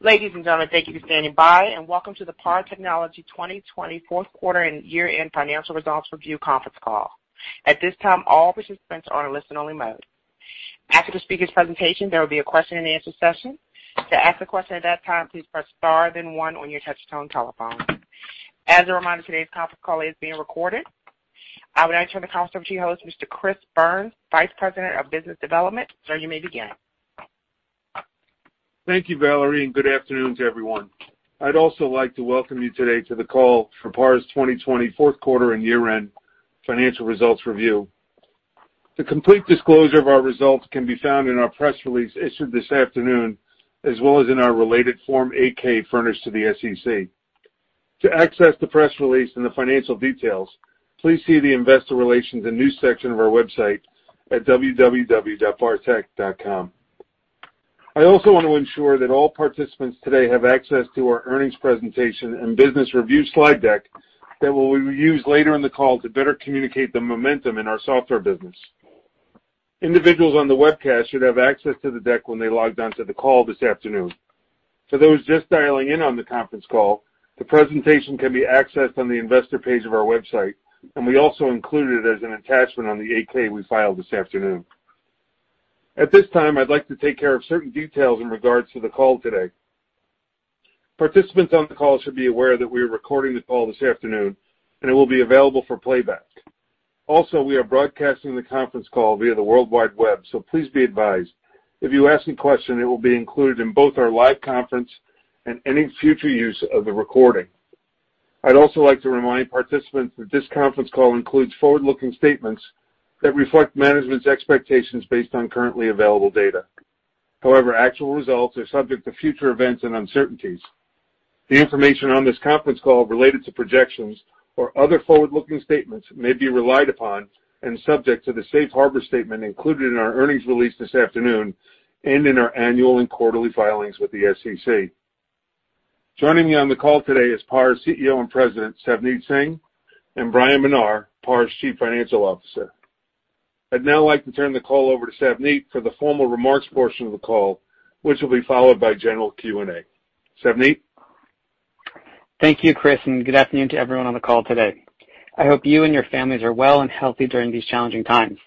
Ladies and gentlemen, thank you for standing by, and welcome to the PAR Technology 2020 Fourth Quarter and Year-End Financial Results Review Conference Call. At this time, all participants are on a listen-only mode. After the speaker's presentation, there will be a question-and-answer session. To ask a question at that time, please press star then one on your touch-tone telephone. As a reminder, today's conference call is being recorded. I would now turn the conference over to your host, Mr. Chris Byrnes, Vice President of Business Development. Sir, you may begin. Thank you, Valerie, and good afternoon to everyone. I'd also like to welcome you today to the call for PAR's 2020 fourth quarter and year-end financial results review. The complete disclosure of our results can be found in our press release issued this afternoon, as well as in our related Form 8-K furnished to the SEC. To access the press release and the financial details, please see the Investor Relations and News section of our website at www.parttech.com. I also want to ensure that all participants today have access to our earnings presentation and business review slide deck that will be used later in the call to better communicate the momentum in our software business. Individuals on the webcast should have access to the deck when they logged onto the call this afternoon. For those just dialing in on the conference call, the presentation can be accessed on the investor page of our website, and we also include it as an attachment on the 8-K we filed this afternoon. At this time, I'd like to take care of certain details in regards to the call today. Participants on the call should be aware that we are recording the call this afternoon, and it will be available for playback. Also, we are broadcasting the conference call via the World Wide Web, so please be advised if you ask a question, it will be included in both our live conference and any future use of the recording. I'd also like to remind participants that this conference call includes forward-looking statements that reflect management's expectations based on currently available data. However, actual results are subject to future events and uncertainties. The information on this conference call related to projections or other forward-looking statements may be relied upon and subject to the safe harbor statement included in our earnings release this afternoon and in our annual and quarterly filings with the SEC. Joining me on the call today is PAR's CEO and President, Savneet Singh, and Brian Menar, PAR's Chief Financial Officer. I'd now like to turn the call over to Savneet for the formal remarks portion of the call, which will be followed by general Q&A. Savneet? Thank you, Chris, and good afternoon to everyone on the call today. I hope you and your families are well and healthy during these challenging times.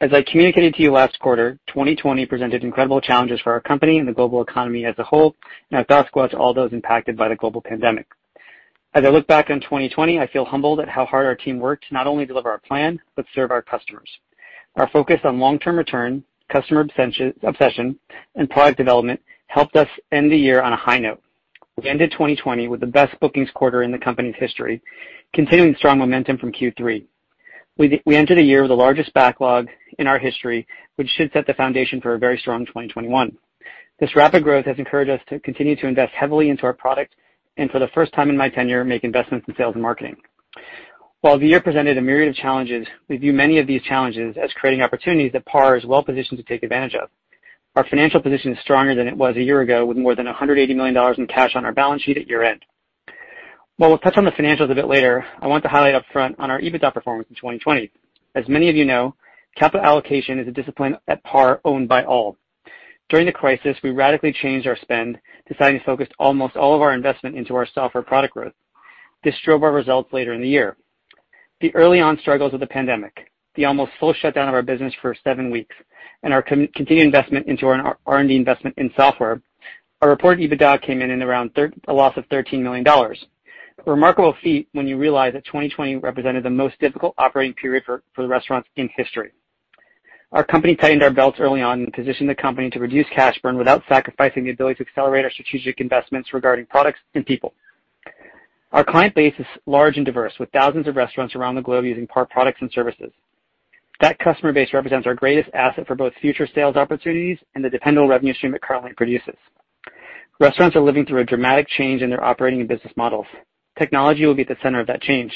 As I communicated to you last quarter, 2020 presented incredible challenges for our company and the global economy as a whole, and I thus go out to all those impacted by the global pandemic. As I look back on 2020, I feel humbled at how hard our team worked to not only deliver our plan but serve our customers. Our focus on long-term return, customer obsession, and product development helped us end the year on a high note. We ended 2020 with the best bookings quarter in the company's history, continuing strong momentum from Q3. We entered a year with the largest backlog in our history, which should set the foundation for a very strong 2021. This rapid growth has encouraged us to continue to invest heavily into our product and, for the first time in my tenure, make investments in sales and marketing. While the year presented a myriad of challenges, we view many of these challenges as creating opportunities that PAR is well positioned to take advantage of. Our financial position is stronger than it was a year ago, with more than $180 million in cash on our balance sheet at year-end. While we'll touch on the financials a bit later, I want to highlight upfront on our EBITDA performance in 2020. As many of you know, capital allocation is a discipline at PAR owned by all. During the crisis, we radically changed our spend, deciding to focus almost all of our investment into our software product growth. This drove our results later in the year. The early-on struggles of the pandemic, the almost full shutdown of our business for seven weeks, and our continued investment into our R&D investment in software, our reported EBITDA came in at around a loss of $13 million. A remarkable feat when you realize that 2020 represented the most difficult operating period for the restaurants in history. Our company tightened our belts early on and positioned the company to reduce cash burn without sacrificing the ability to accelerate our strategic investments regarding products and people. Our client base is large and diverse, with thousands of restaurants around the globe using PAR products and services. That customer base represents our greatest asset for both future sales opportunities and the dependable revenue stream it currently produces. Restaurants are living through a dramatic change in their operating and business models. Technology will be at the center of that change.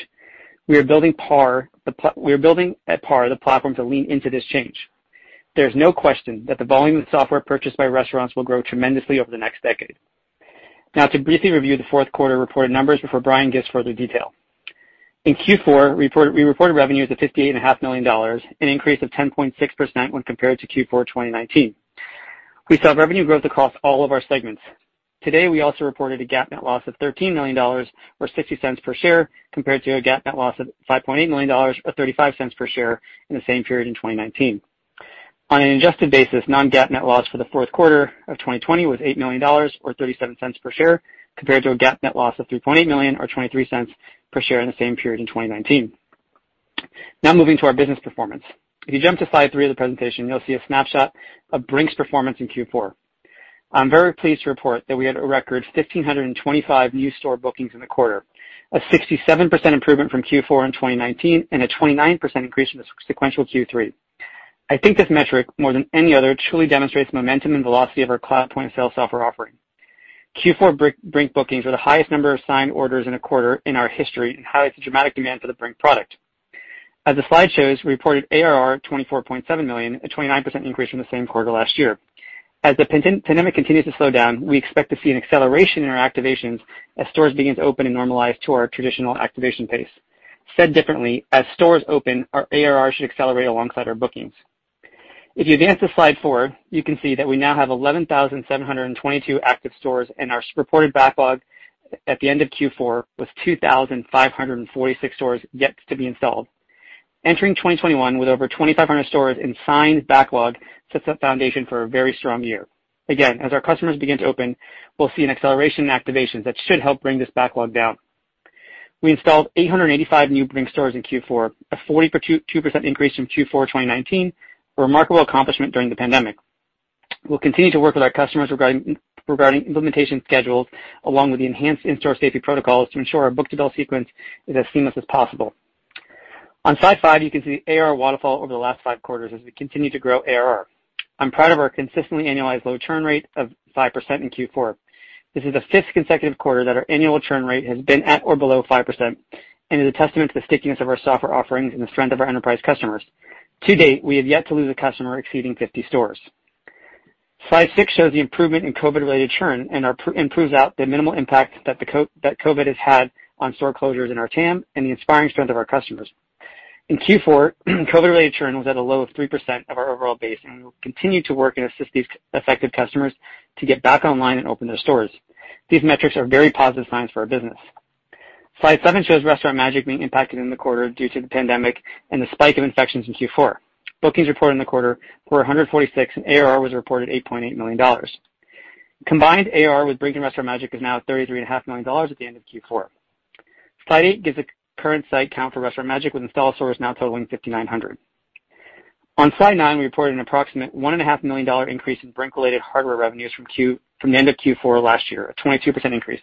We are building at PAR the platform to lean into this change. There is no question that the volume of software purchased by restaurants will grow tremendously over the next decade. Now, to briefly review the fourth quarter reported numbers before Brian gives further detail. In Q4, we reported revenues of $58.5 million, an increase of 10.6% when compared to Q4 2019. We saw revenue growth across all of our segments. Today, we also reported a GAAP net loss of $13 million, or $0.60 per share, compared to a GAAP net loss of $5.8 million, or $0.35 per share in the same period in 2019. On an adjusted basis, non-GAAP net loss for the fourth quarter of 2020 was $8 million, or $0.37 per share, compared to a GAAP net loss of $3.8 million, or $0.23 per share in the same period in 2019. Now, moving to our business performance. If you jump to slide three of the presentation, you'll see a snapshot of Brink's performance in Q4. I'm very pleased to report that we had a record 1,525 new store bookings in the quarter, a 67% improvement from Q4 in 2019 and a 29% increase from the sequential Q3. I think this metric, more than any other, truly demonstrates momentum and velocity of our cloud point of sale software offering. Q4 Brink bookings were the highest number of signed orders in a quarter in our history and highlight the dramatic demand for the Brink product. As the slide shows, we reported ARR $24.7 million, a 29% increase from the same quarter last year. As the pandemic continues to slow down, we expect to see an acceleration in our activations as stores begin to open and normalize to our traditional activation pace. Said differently, as stores open, our ARR should accelerate alongside our bookings. If you advance the slide forward, you can see that we now have 11,722 active stores and our reported backlog at the end of Q4 was 2,546 stores yet to be installed. Entering 2021 with over 2,500 stores in signed backlog sets up a foundation for a very strong year. Again, as our customers begin to open, we'll see an acceleration in activations that should help bring this backlog down. We installed 885 new Brink stores in Q4, a 42% increase from Q4 2019, a remarkable accomplishment during the pandemic. We'll continue to work with our customers regarding implementation schedules along with the enhanced in-store safety protocols to ensure our book-to-bill sequence is as seamless as possible. On slide five, you can see the ARR waterfall over the last five quarters as we continue to grow ARR. I'm proud of our consistently annualized low churn rate of 5% in Q4. This is the fifth consecutive quarter that our annual churn rate has been at or below 5% and is a testament to the stickiness of our software offerings and the strength of our enterprise customers. To date, we have yet to lose a customer exceeding 50 stores. Slide six shows the improvement in COVID-related churn and proves out the minimal impact that COVID has had on store closures in our TAM and the inspiring strength of our customers. In Q4, COVID-related churn was at a low of 3% of our overall base, and we will continue to work and assist these affected customers to get back online and open their stores. These metrics are very positive signs for our business. Slide seven shows Restaurant Magic being impacted in the quarter due to the pandemic and the spike of infections in Q4. Bookings reported in the quarter were 146, and ARR was reported $8.8 million. Combined, ARR with Brink and Restaurant Magic is now $33.5 million at the end of Q4. Slide eight gives the current site count for Restaurant Magic with installed stores now totaling 5,900. On slide nine, we reported an approximate $1.5 million increase in Brink-related hardware revenues from the end of Q4 last year, a 22% increase.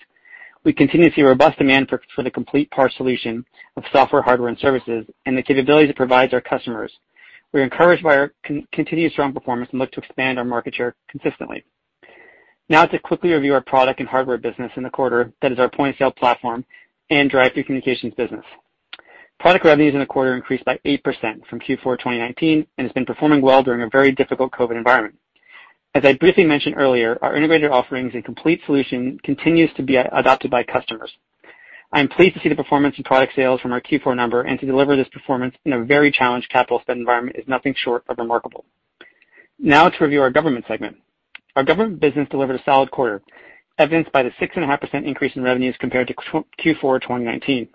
We continue to see robust demand for the complete PAR solution of software, hardware, and services and the capabilities it provides our customers. We're encouraged by our continued strong performance and look to expand our market share consistently. Now, to quickly review our product and hardware business in the quarter, that is our point of sale platform and drive-through communications business. Product revenues in the quarter increased by 8% from Q4 2019 and have been performing well during a very difficult COVID environment. As I briefly mentioned earlier, our integrated offerings and complete solution continue to be adopted by customers. I'm pleased to see the performance and product sales from our Q4 number, and to deliver this performance in a very challenged capital spend environment is nothing short of remarkable. Now, to review our government segment. Our government business delivered a solid quarter, evidenced by the 6.5% increase in revenues compared to Q4 2019.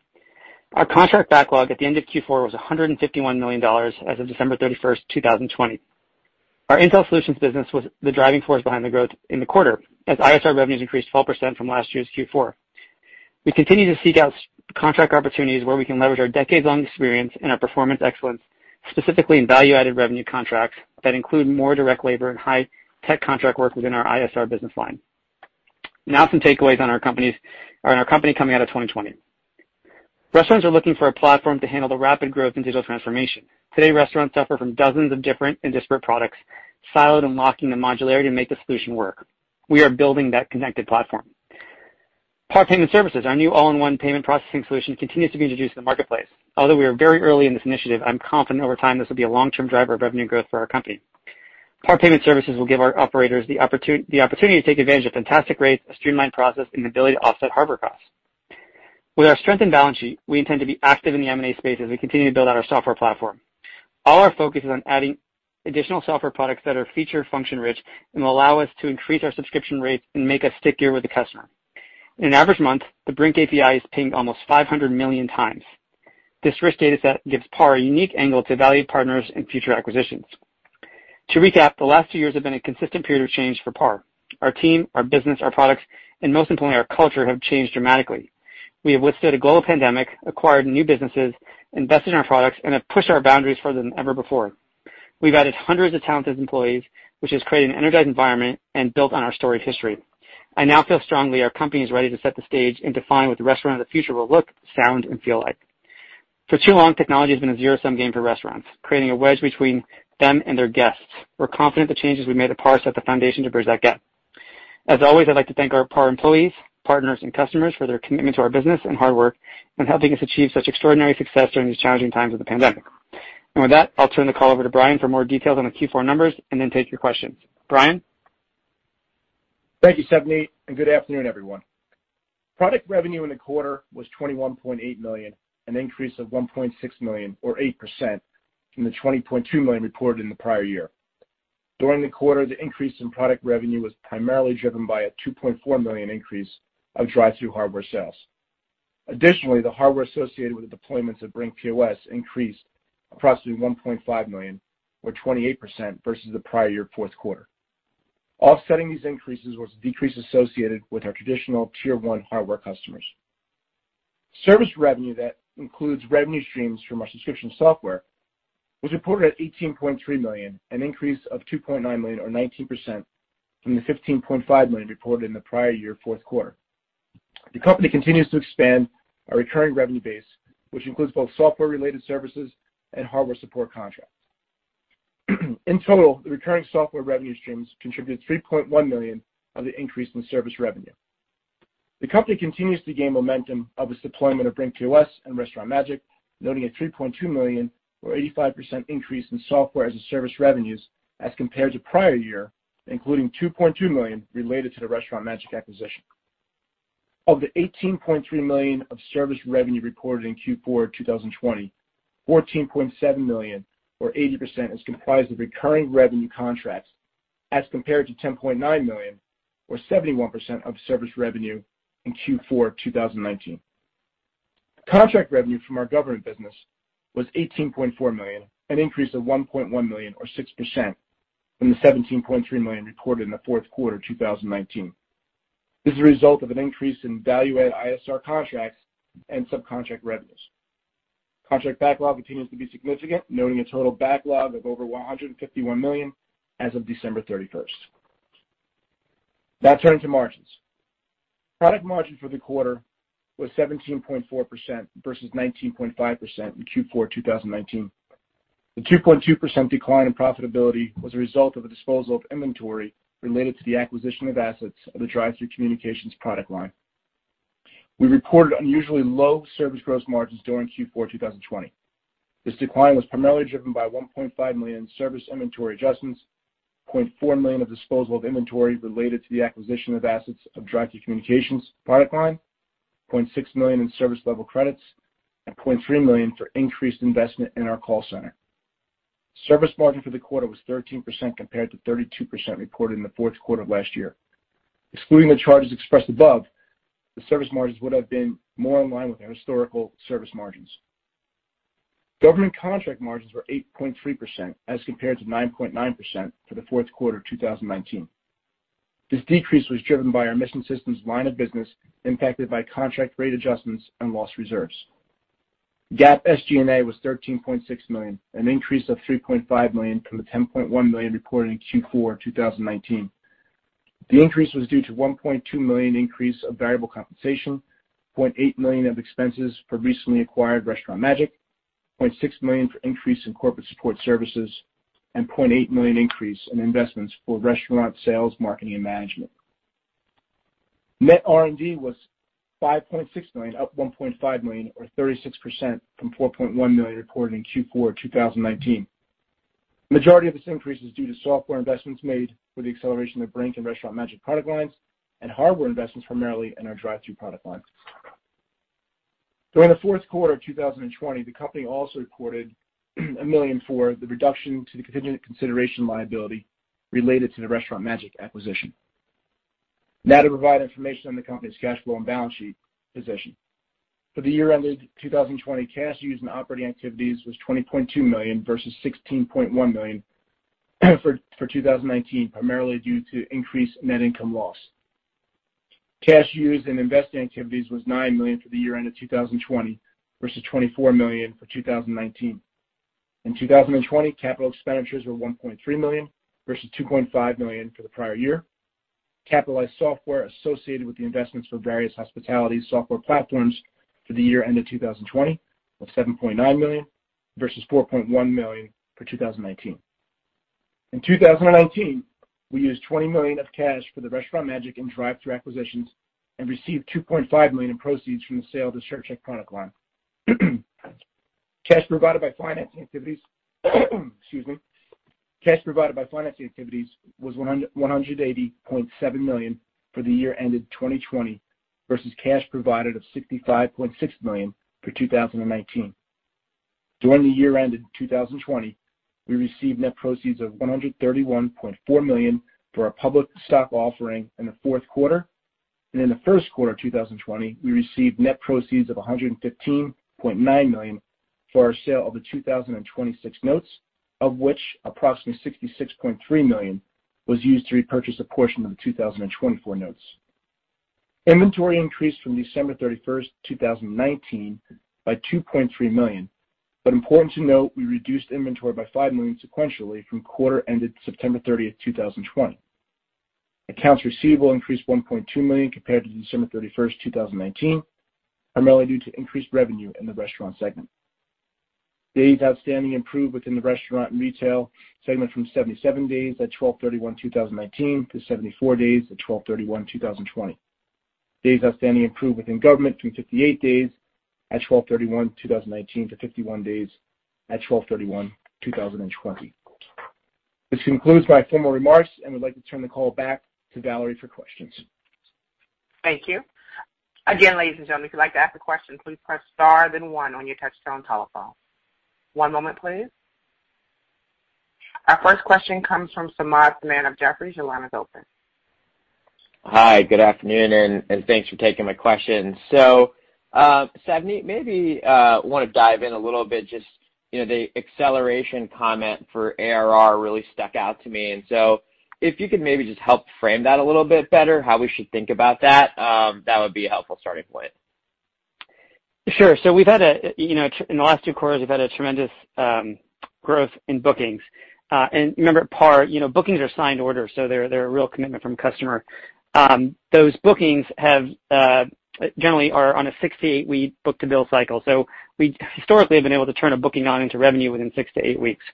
Our contract backlog at the end of Q4 was $151 million as of December 31, 2020. Our intel solutions business was the driving force behind the growth in the quarter as ISR revenues increased 12% from last year's Q4. We continue to seek out contract opportunities where we can leverage our decades-long experience and our performance excellence, specifically in value-added revenue contracts that include more direct labor and high-tech contract work within our ISR business line. Now, some takeaways on our company coming out of 2020. Restaurants are looking for a platform to handle the rapid growth and digital transformation. Today, restaurants suffer from dozens of different and disparate products, siloed and lacking the modularity to make the solution work. We are building that connected platform. PAR Payment Services, our new all-in-one payment processing solution, continues to be introduced to the marketplace. Although we are very early in this initiative, I'm confident over time this will be a long-term driver of revenue growth for our company. PAR payment services will give our operators the opportunity to take advantage of fantastic rates, a streamlined process, and the ability to offset hardware costs. With our strengthened balance sheet, we intend to be active in the M&A space as we continue to build out our software platform. All our focus is on adding additional software products that are feature-function-rich and will allow us to increase our subscription rates and make us stickier with the customer. In an average month, the Brink API is pinged almost 500 million times. This rich data set gives PAR a unique angle to value partners and future acquisitions. To recap, the last two years have been a consistent period of change for PAR. Our team, our business, our products, and most importantly, our culture have changed dramatically. We have withstood a global pandemic, acquired new businesses, invested in our products, and have pushed our boundaries further than ever before. We've added hundreds of talented employees, which has created an energized environment and built on our storied history. I now feel strongly our company is ready to set the stage and define what the restaurant of the future will look, sound, and feel like. For too long, technology has been a zero-sum game for restaurants, creating a wedge between them and their guests. We're confident the changes we made at PAR set the foundation to bridge that gap. As always, I'd like to thank our PAR employees, partners, and customers for their commitment to our business and hard work and helping us achieve such extraordinary success during these challenging times of the pandemic. With that, I'll turn the call over to Brian for more details on the Q4 numbers and then take your questions. Brian. Thank you, Savneet, and good afternoon, everyone. Product revenue in the quarter was $21.8 million, an increase of $1.6 million, or 8%, from the $20.2 million reported in the prior year. During the quarter, the increase in product revenue was primarily driven by a $2.4 million increase of drive-through hardware sales. Additionally, the hardware associated with the deployments of Brink POS increased approximately $1.5 million, or 28%, versus the prior year fourth quarter. Offsetting these increases was the decrease associated with our traditional tier-one hardware customers. Service revenue that includes revenue streams from our subscription software was reported at $18.3 million, an increase of $2.9 million, or 19%, from the $15.5 million reported in the prior year fourth quarter. The company continues to expand our recurring revenue base, which includes both software-related services and hardware support contracts. In total, the recurring software revenue streams contributed $3.1 million of the increase in service revenue. The company continues to gain momentum of its deployment of Brink POS and Restaurant Magic, noting a $3.2 million, or 85%, increase in software as a service revenues as compared to prior year, including $2.2 million related to the Restaurant Magic acquisition. Of the $18.3 million of service revenue reported in Q4 2020, $14.7 million, or 80%, is comprised of recurring revenue contracts as compared to $10.9 million, or 71%, of service revenue in Q4 2019. Contract revenue from our government business was $18.4 million, an increase of $1.1 million, or 6%, from the $17.3 million reported in the fourth quarter 2019. This is a result of an increase in value-added ISR contracts and subcontract revenues. Contract backlog continues to be significant, noting a total backlog of over $151 million as of December 31st. Now, turning to margins. Product margin for the quarter was 17.4% versus 19.5% in Q4 2019. The 2.2% decline in profitability was a result of the disposal of inventory related to the acquisition of assets of the drive-through communications product line. We reported unusually low service gross margins during Q4 2020. This decline was primarily driven by $1.5 million in service inventory adjustments, $0.4 million of disposal of inventory related to the acquisition of assets of drive-through communications product line, $0.6 million in service level credits, and $0.3 million for increased investment in our call center. Service margin for the quarter was 13% compared to 32% reported in the fourth quarter of last year. Excluding the charges expressed above, the service margins would have been more in line with our historical service margins. Government contract margins were 8.3% as compared to 9.9% for the fourth quarter of 2019. This decrease was driven by our mission system's line of business impacted by contract rate adjustments and lost reserves. GAAP SG&A was $13.6 million, an increase of $3.5 million from the $10.1 million reported in Q4 2019. The increase was due to a $1.2 million increase of variable compensation, $0.8 million of expenses for recently acquired Restaurant Magic, $0.6 million for increase in corporate support services, and $0.8 million increase in investments for restaurant sales, marketing, and management. Net R&D was $5.6 million, up $1.5 million, or 36%, from $4.1 million reported in Q4 2019. The majority of this increase is due to software investments made for the acceleration of Brink and Restaurant Magic product lines and hardware investments primarily in our drive-through product lines. During the fourth quarter of 2020, the company also reported $1 million for the reduction to the contingent consideration liability related to the Restaurant Magic acquisition. Now, to provide information on the company's cash flow and balance sheet position. For the year-ended 2020, cash used in operating activities was $20.2 million versus $16.1 million for 2019, primarily due to increased net income loss. Cash used in investing activities was $9 million for the year-ended 2020 versus $24 million for 2019. In 2020, capital expenditures were $1.3 million versus $2.5 million for the prior year. Capitalized software associated with the investments for various hospitality software platforms for the year-ended 2020 was $7.9 million versus $4.1 million for 2019. In 2019, we used $20 million of cash for the Restaurant Magic and drive-through acquisitions and received $2.5 million in proceeds from the sale district to product line. Cash provided by financing activities was $180.7 million for the year-ended 2020 versus cash provided of $65.6 million for 2019. During the year-ended 2020, we received net proceeds of $131.4 million for our public stock offering in the fourth quarter. In the first quarter of 2020, we received net proceeds of $115.9 million for our sale of the 2026 notes, of which approximately $66.3 million was used to repurchase a portion of the 2024 notes. Inventory increased from December 31st, 2019, by $2.3 million. It is important to note, we reduced inventory by $5 million sequentially from quarter-ended September 30th, 2020. Accounts receivable increased $1.2 million compared to December 31, 2019, primarily due to increased revenue in the restaurant segment. Days outstanding improved within the restaurant and retail segment from 77 days at 12/31/2019 to 74 days at 12/31/2020. Days outstanding improved within government from 58 days at 12/31/2019 to 51 days at 12/31/2020. This concludes my formal remarks, and we'd like to turn the call back to Valerie for questions. Thank you. Again, ladies and gentlemen, if you'd like to ask a question, please press star, then one on your touch-tone telephone. One moment, please. Our first question comes from Samad Samana of Jefferies. Your line is open. Hi. Good afternoon, and thanks for taking my question. Savneet, maybe I want to dive in a little bit. Just the acceleration comment for ARR really stuck out to me. If you could maybe just help frame that a little bit better, how we should think about that, that would be a helpful starting point. Sure. We've had—in the last two quarters, we've had tremendous growth in bookings. Remember, PAR bookings are signed orders, so they're a real commitment from customers. Those bookings generally are on a six to eight-week book-to-bill cycle. We historically have been able to turn a booking on into revenue within six to eight weeks.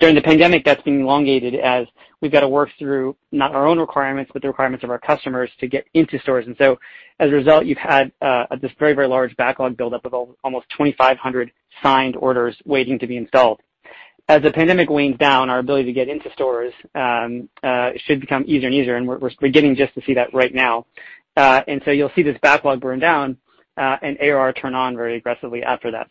During the pandemic, that's been elongated as we've got to work through not our own requirements, but the requirements of our customers to get into stores. As a result, you've had this very, very large backlog build-up of almost 2,500 signed orders waiting to be installed. As the pandemic wanes down, our ability to get into stores should become easier and easier, and we're beginning just to see that right now. You'll see this backlog burn down and ARR turn on very aggressively after that.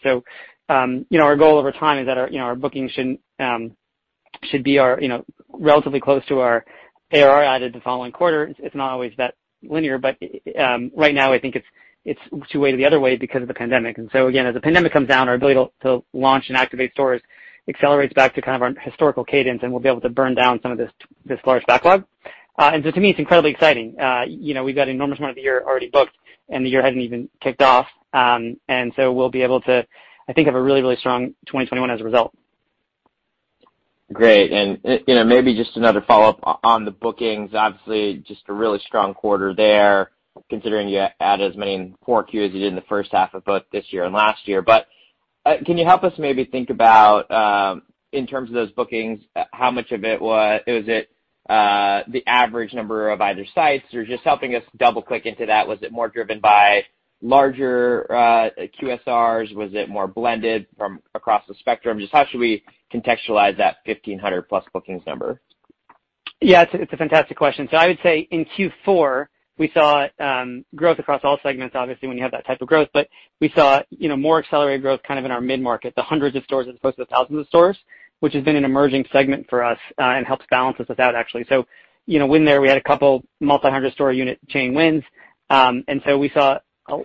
Our goal over time is that our bookings should be relatively close to our ARR added the following quarter. It's not always that linear, but right now, I think it's too way the other way because of the pandemic. As the pandemic comes down, our ability to launch and activate stores accelerates back to kind of our historical cadence, and we'll be able to burn down some of this large backlog. To me, it's incredibly exciting. We've got an enormous amount of the year already booked, and the year hasn't even kicked off. We'll be able to, I think, have a really, really strong 2021 as a result. Great. Maybe just another follow-up on the bookings. Obviously, just a really strong quarter there, considering you added as many in Q4 as you did in the first half of both this year and last year. Can you help us maybe think about, in terms of those bookings, how much of it was the average number of either sites? Or just helping us double-click into that, was it more driven by larger QSRs? Was it more blended from across the spectrum? Just how should we contextualize that 1,500-plus bookings number? Yeah, it's a fantastic question. I would say in Q4, we saw growth across all segments, obviously, when you have that type of growth. We saw more accelerated growth kind of in our mid-market, the hundreds of stores as opposed to the thousands of stores, which has been an emerging segment for us and helps balance us out, actually. When there, we had a couple multi-hundred store unit chain wins. We saw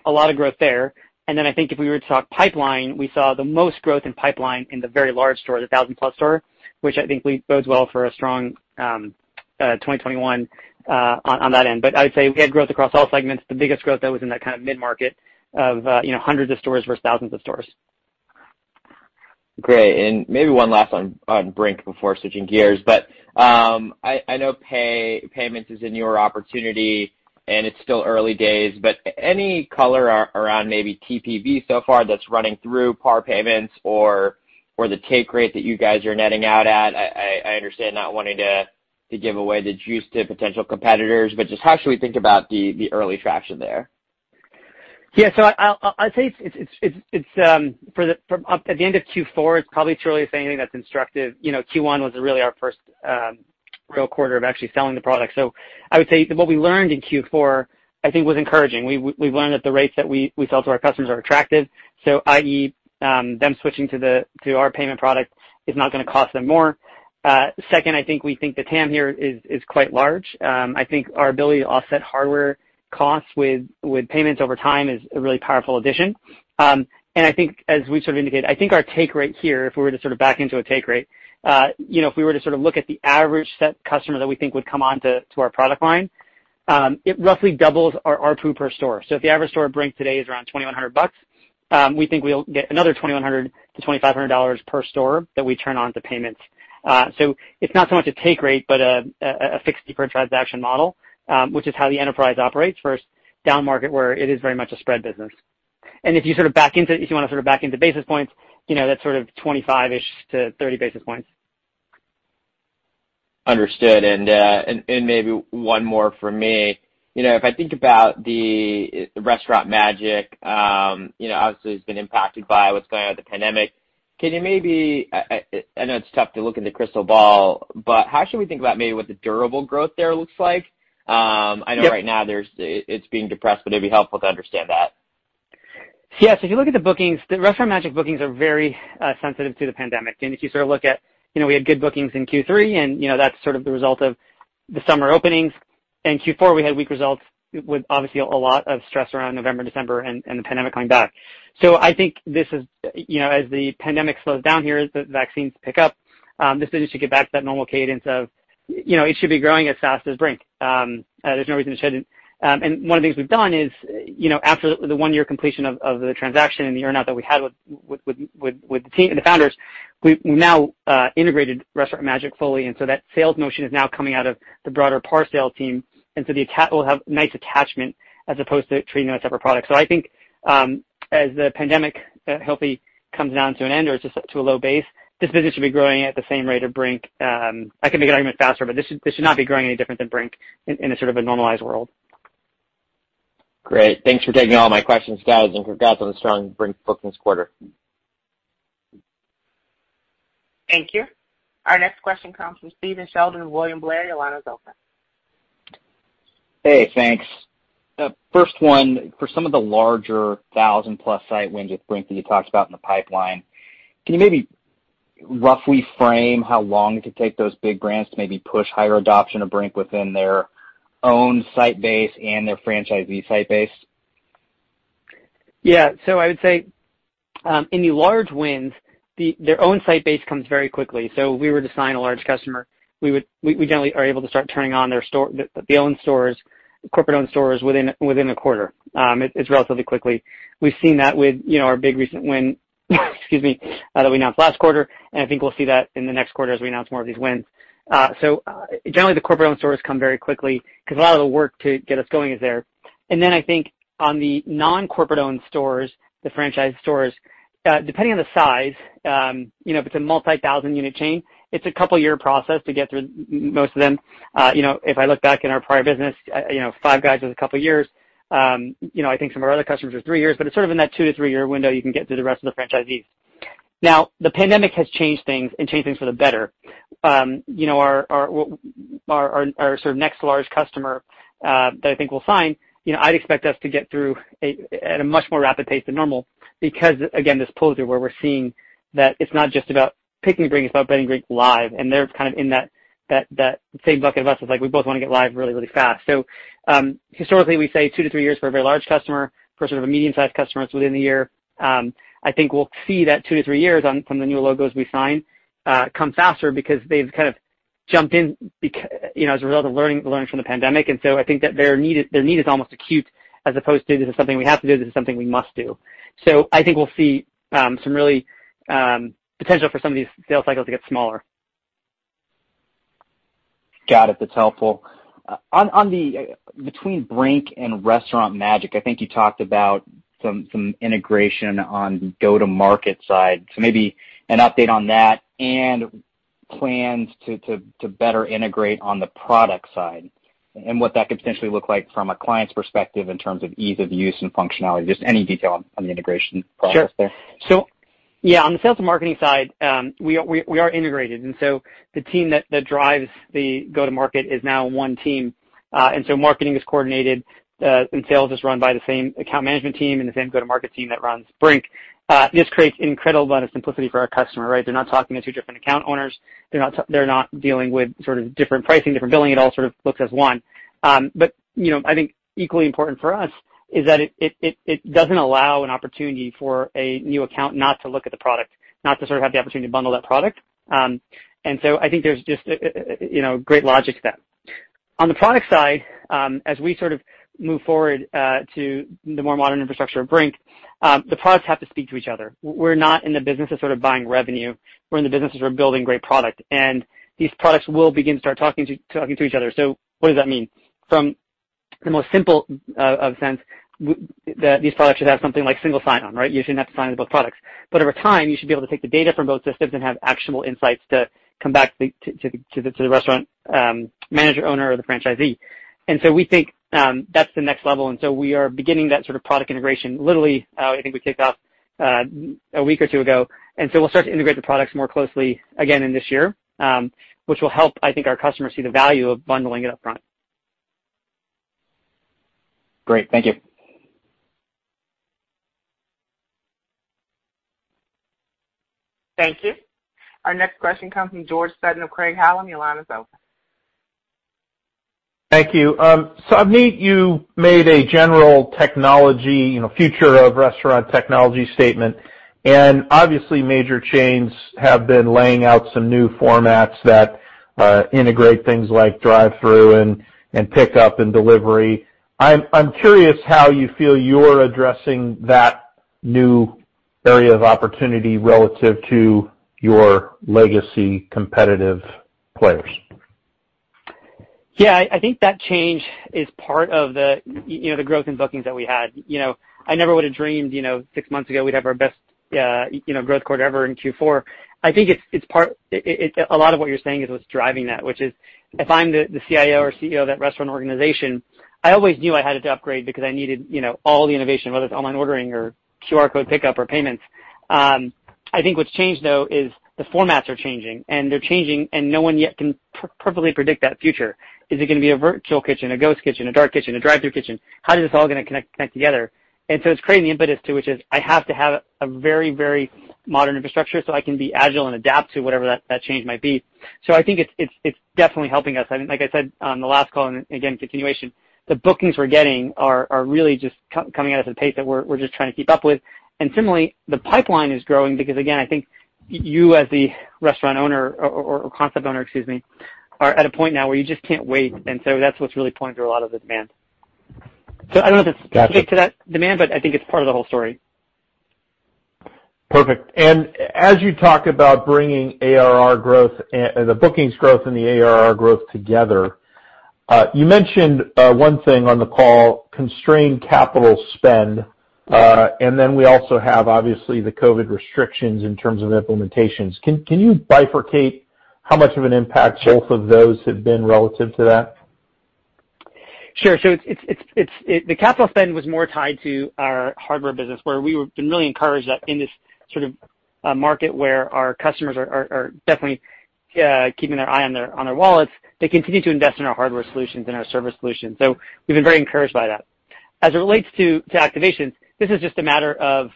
a lot of growth there. I think if we were to talk pipeline, we saw the most growth in pipeline in the very large stores, the thousand-plus store, which I think bodes well for a strong 2021 on that end. I would say we had growth across all segments. The biggest growth, though, was in that kind of mid-market of hundreds of stores versus thousands of stores. Great. Maybe one last one on Brink before switching gears. I know payments is a newer opportunity, and it's still early days. Any color around maybe TPV so far that's running through PAR payments or the take rate that you guys are netting out at? I understand not wanting to give away the juice to potential competitors, but just how should we think about the early traction there? Yeah. I'd say at the end of Q4, it's probably truly saying anything that's instructive. Q1 was really our first real quarter of actually selling the product. I would say what we learned in Q4, I think, was encouraging. We've learned that the rates that we sell to our customers are attractive, so i.e., them switching to our payment product is not going to cost them more. Second, I think we think the TAM here is quite large. I think our ability to offset hardware costs with payments over time is a really powerful addition. I think, as we sort of indicated, I think our take rate here, if we were to sort of back into a take rate, if we were to sort of look at the average set customer that we think would come on to our product line, it roughly doubles our RPU per store. If the average store at Brink today is around $2,100, we think we'll get another $2,100-$2,500 per store that we turn on to payments. It is not so much a take rate, but a fixed deferred transaction model, which is how the enterprise operates versus down market where it is very much a spread business. If you sort of back into—if you want to sort of back into basis points, that is sort of 25-ish to 30 basis points. Understood. Maybe one more for me. If I think about the Restaurant Magic, obviously, it's been impacted by what's going on with the pandemic. Can you maybe—I know it's tough to look in the crystal ball, but how should we think about maybe what the durable growth there looks like? I know right now it's being depressed, but it'd be helpful to understand that. Yes. If you look at the bookings, the Restaurant Magic bookings are very sensitive to the pandemic. If you sort of look at—we had good bookings in Q3, and that's sort of the result of the summer openings. Q4, we had weak results with, obviously, a lot of stress around November, December, and the pandemic coming back. I think this is—as the pandemic slows down here, the vaccines pick up. This should get back to that normal cadence of it should be growing as fast as Brink. There's no reason it shouldn't. One of the things we've done is, after the one-year completion of the transaction and the earnout that we had with the founders, we've now integrated Restaurant Magic fully. That sales motion is now coming out of the broader PAR sales team. The account will have a nice attachment as opposed to treating them as separate products. I think as the pandemic healthy comes down to an end or just to a low base, this business should be growing at the same rate of Brink. I can make an argument faster, but this should not be growing any different than Brink in a sort of a normalized world. Great. Thanks for taking all my questions, guys, and congrats on the strong Brink bookings quarter. Thank you. Our next question comes from Stephen Sheldon and William Blair your line is open. Hey, thanks. First one, for some of the larger thousand-plus site wins with Brink that you talked about in the pipeline, can you maybe roughly frame how long it could take those big brands to maybe push higher adoption of Brink within their own site base and their franchisee site base? Yeah. I would say in the large wins, their own site base comes very quickly. If we were to sign a large customer, we generally are able to start turning on the owned stores, corporate-owned stores within a quarter. It's relatively quickly. We've seen that with our big recent win, excuse me, that we announced last quarter. I think we'll see that in the next quarter as we announce more of these wins. Generally, the corporate-owned stores come very quickly because a lot of the work to get us going is there. I think on the non-corporate-owned stores, the franchise stores, depending on the size, if it's a multi-thousand unit chain, it's a couple-year process to get through most of them. If I look back in our prior business, Five Guys was a couple of years. I think some of our other customers were three years. It's sort of in that two to three-year window you can get through the rest of the franchisees. Now, the pandemic has changed things and changed things for the better. Our sort of next large customer that I think we'll sign, I'd expect us to get through at a much more rapid pace than normal because, again, this pulls through where we're seeing that it's not just about picking Brink. It's about bedding Brink live. And they're kind of in that same bucket of us. It's like we both want to get live really, really fast. Historically, we say two to three years for a very large customer, for sort of a medium-sized customer within the year. I think we'll see that two to three years from the new logos we sign come faster because they've kind of jumped in as a result of learning from the pandemic. I think that their need is almost acute as opposed to, "This is something we have to do. This is something we must do." I think we'll see some really potential for some of these sales cycles to get smaller. Got it. That's helpful. Between Brink and Restaurant Magic, I think you talked about some integration on the go-to-market side. Maybe an update on that and plans to better integrate on the product side and what that could potentially look like from a client's perspective in terms of ease of use and functionality. Just any detail on the integration process there. Sure. Yeah, on the sales and marketing side, we are integrated. The team that drives the go-to-market is now one team. Marketing is coordinated, and sales is run by the same account management team and the same go-to-market team that runs Brink. This creates an incredible amount of simplicity for our customer, right? They're not talking to two different account owners. They're not dealing with different pricing, different billing. It all looks as one. I think equally important for us is that it doesn't allow an opportunity for a new account not to look at the product, not to have the opportunity to bundle that product. I think there's just great logic to that. On the product side, as we sort of move forward to the more modern infrastructure of Brink, the products have to speak to each other. We're not in the business of sort of buying revenue. We're in the business of sort of building great product. These products will begin to start talking to each other. What does that mean? From the most simple of sense, these products should have something like single sign-on, right? You shouldn't have to sign into both products. Over time, you should be able to take the data from both systems and have actionable insights to come back to the restaurant manager, owner, or the franchisee. We think that's the next level. We are beginning that sort of product integration. Literally, I think we kicked off a week or two ago. We'll start to integrate the products more closely again in this year, which will help, I think, our customers see the value of bundling it upfront. Great. Thank you. Thank you. Our next question comes from George Sutton of Craig-Hallum. Thank you. I made a general technology future of restaurant technology statement. Obviously, major chains have been laying out some new formats that integrate things like drive-through and pickup and delivery. I'm curious how you feel you're addressing that new area of opportunity relative to your legacy competitive players. Yeah. I think that change is part of the growth in bookings that we had. I never would have dreamed six months ago we'd have our best growth quarter ever in Q4. I think a lot of what you're saying is what's driving that, which is if I'm the CIO or CEO of that restaurant organization, I always knew I had to upgrade because I needed all the innovation, whether it's online ordering or QR code pickup or payments. I think what's changed, though, is the formats are changing. They're changing, and no one yet can perfectly predict that future. Is it going to be a virtual kitchen, a ghost kitchen, a dark kitchen, a drive-through kitchen? How is this all going to connect together? It's creating the impetus to, which is I have to have a very, very modern infrastructure so I can be agile and adapt to whatever that change might be. I think it's definitely helping us. Like I said on the last call, and again, continuation, the bookings we're getting are really just coming at us at a pace that we're just trying to keep up with. Similarly, the pipeline is growing because, again, I think you as the restaurant owner or concept owner, excuse me, are at a point now where you just can't wait. That's what's really pulling through a lot of the demand. I don't know if it's related to that demand, but I think it's part of the whole story. Perfect. As you talk about bringing ARR growth and the bookings growth and the ARR growth together, you mentioned one thing on the call, constrained capital spend. We also have, obviously, the COVID restrictions in terms of implementations. Can you bifurcate how much of an impact both of those have been relative to that? Sure. The capital spend was more tied to our hardware business, where we were really encouraged that in this sort of market where our customers are definitely keeping their eye on their wallets, they continue to invest in our hardware solutions and our service solutions. We have been very encouraged by that. As it relates to activations, this is just a matter of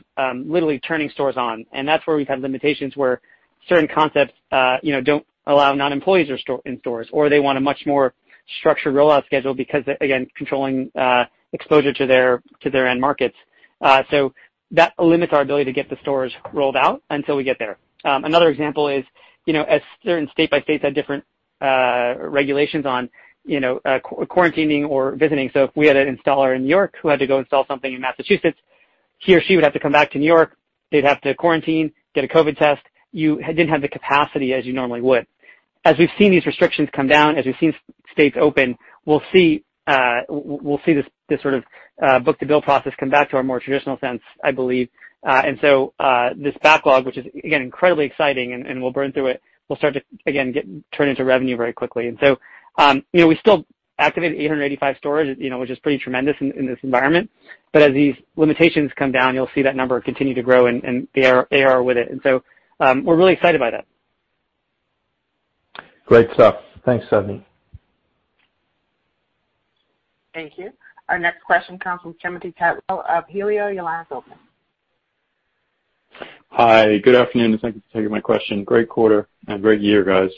literally turning stores on. That is where we have had limitations where certain concepts do not allow non-employees in stores, or they want a much more structured rollout schedule because, again, controlling exposure to their end markets. That limits our ability to get the stores rolled out until we get there. Another example is as certain state-by-state had different regulations on quarantining or visiting. If we had an installer in New York who had to go install something in Massachusetts, he or she would have to come back to New York. They'd have to quarantine, get a COVID test. You didn't have the capacity as you normally would. As we've seen these restrictions come down, as we've seen states open, we'll see this sort of book-to-bill process come back to our more traditional sense, I believe. This backlog, which is, again, incredibly exciting, and we'll burn through it, will start to, again, turn into revenue very quickly. We still activated 885 stores, which is pretty tremendous in this environment. As these limitations come down, you'll see that number continue to grow and the ARR with it. We're really excited by that. Great stuff. Thanks, Savneet. Thank you. Our next question comes from Timothy Tidwell of Helio. Your line is open. Hi. Good afternoon, and thank you for taking my question. Great quarter and great year, guys,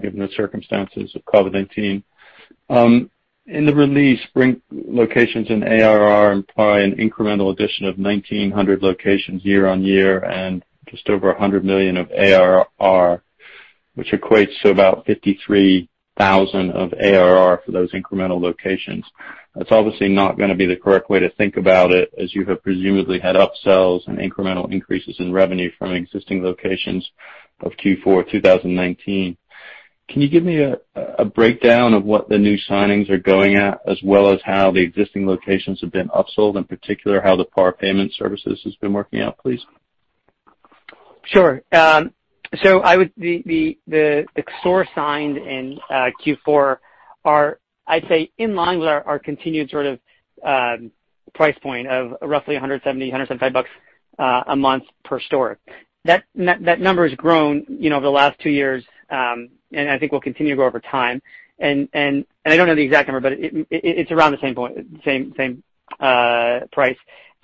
given the circumstances of COVID-19. In the release, Brink locations in ARR imply an incremental addition of 1,900 locations year on year and just over $100 million of ARR, which equates to about $53,000 of ARR for those incremental locations. That's obviously not going to be the correct way to think about it, as you have presumably had upsells and incremental increases in revenue from existing locations of Q4 2019. Can you give me a breakdown of what the new signings are going at, as well as how the existing locations have been upsold, in particular how the PAR payment services has been working out, please? Sure. The store signed in Q4 are, I'd say, in line with our continued sort of price point of roughly $170-$175 a month per store. That number has grown over the last two years, and I think will continue to grow over time. I don't know the exact number, but it's around the same point, same price.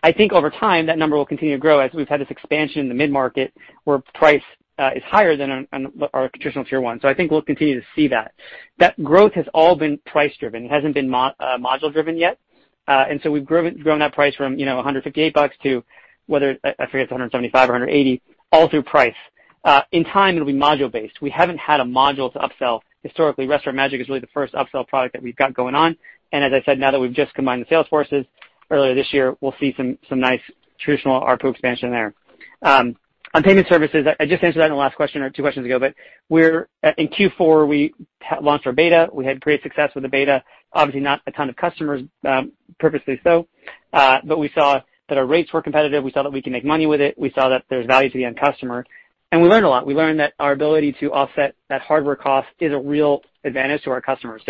I think over time, that number will continue to grow as we've had this expansion in the mid-market where price is higher than our traditional tier one. I think we'll continue to see that. That growth has all been price-driven. It hasn't been module-driven yet. We've grown that price from $158 to, I forget, $175 or $180, all through price. In time, it'll be module-based. We haven't had a module to upsell historically. Restaurant Magic is really the first upsell product that we've got going on. As I said, now that we've just combined the sales forces earlier this year, we'll see some nice traditional RPO expansion there. On payment services, I just answered that in the last question or two questions ago. In Q4, we launched our beta. We had great success with the beta. Obviously, not a ton of customers, purposely so. We saw that our rates were competitive. We saw that we can make money with it. We saw that there's value to the end customer. We learned a lot. We learned that our ability to offset that hardware cost is a real advantage to our customers.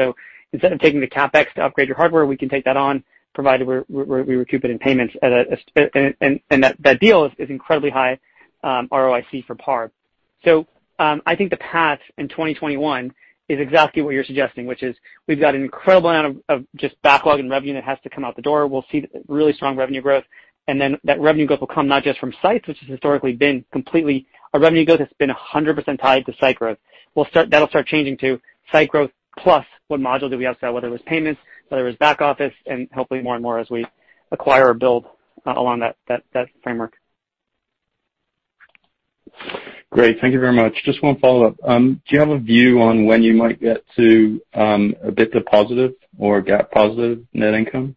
Instead of taking the CapEx to upgrade your hardware, we can take that on, provided we recoup it in payments. That deal is incredibly high ROIC for PAR. I think the path in 2021 is exactly what you're suggesting, which is we've got an incredible amount of just backlog and revenue that has to come out the door. We'll see really strong revenue growth. That revenue growth will come not just from sites, which has historically been completely our revenue growth has been 100% tied to site growth. That'll start changing to site growth plus what module do we upsell, whether it was payments, whether it was back office, and hopefully more and more as we acquire or build along that framework. Great. Thank you very much. Just one follow-up. Do you have a view on when you might get to a bit positive or GAAP positive net income?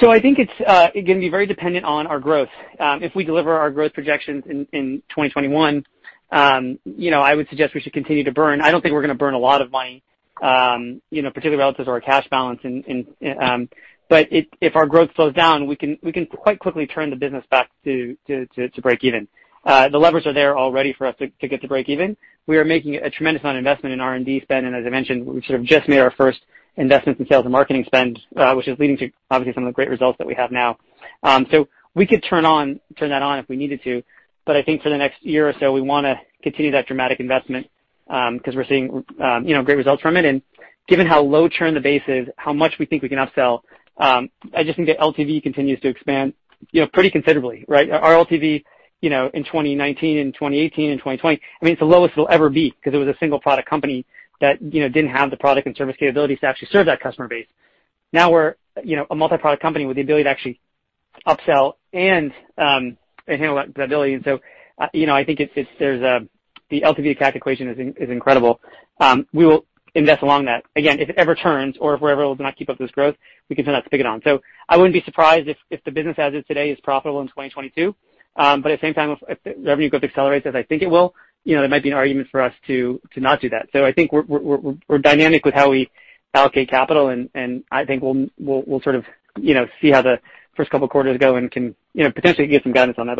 I think it's going to be very dependent on our growth. If we deliver our growth projections in 2021, I would suggest we should continue to burn. I don't think we're going to burn a lot of money, particularly relative to our cash balance. If our growth slows down, we can quite quickly turn the business back to break even. The levers are there already for us to get to break even. We are making a tremendous amount of investment in R&D spend. As I mentioned, we've sort of just made our first investment in sales and marketing spend, which is leading to, obviously, some of the great results that we have now. We could turn that on if we needed to. I think for the next year or so, we want to continue that dramatic investment because we're seeing great results from it. Given how low-turn the base is, how much we think we can upsell, I just think that LTV continues to expand pretty considerably, right? Our LTV in 2019 and 2018 and 2020, I mean, it's the lowest it'll ever be because it was a single-product company that didn't have the product and service capabilities to actually serve that customer base. Now we're a multi-product company with the ability to actually upsell and handle that ability. I think the LTV to CAC equation is incredible. We will invest along that. Again, if it ever turns or if we're ever able to not keep up this growth, we can turn that spigot on. I wouldn't be surprised if the business as of today is profitable in 2022. At the same time, if revenue growth accelerates, as I think it will, there might be an argument for us to not do that. I think we're dynamic with how we allocate capital. I think we'll sort of see how the first couple of quarters go and can potentially get some guidance on that.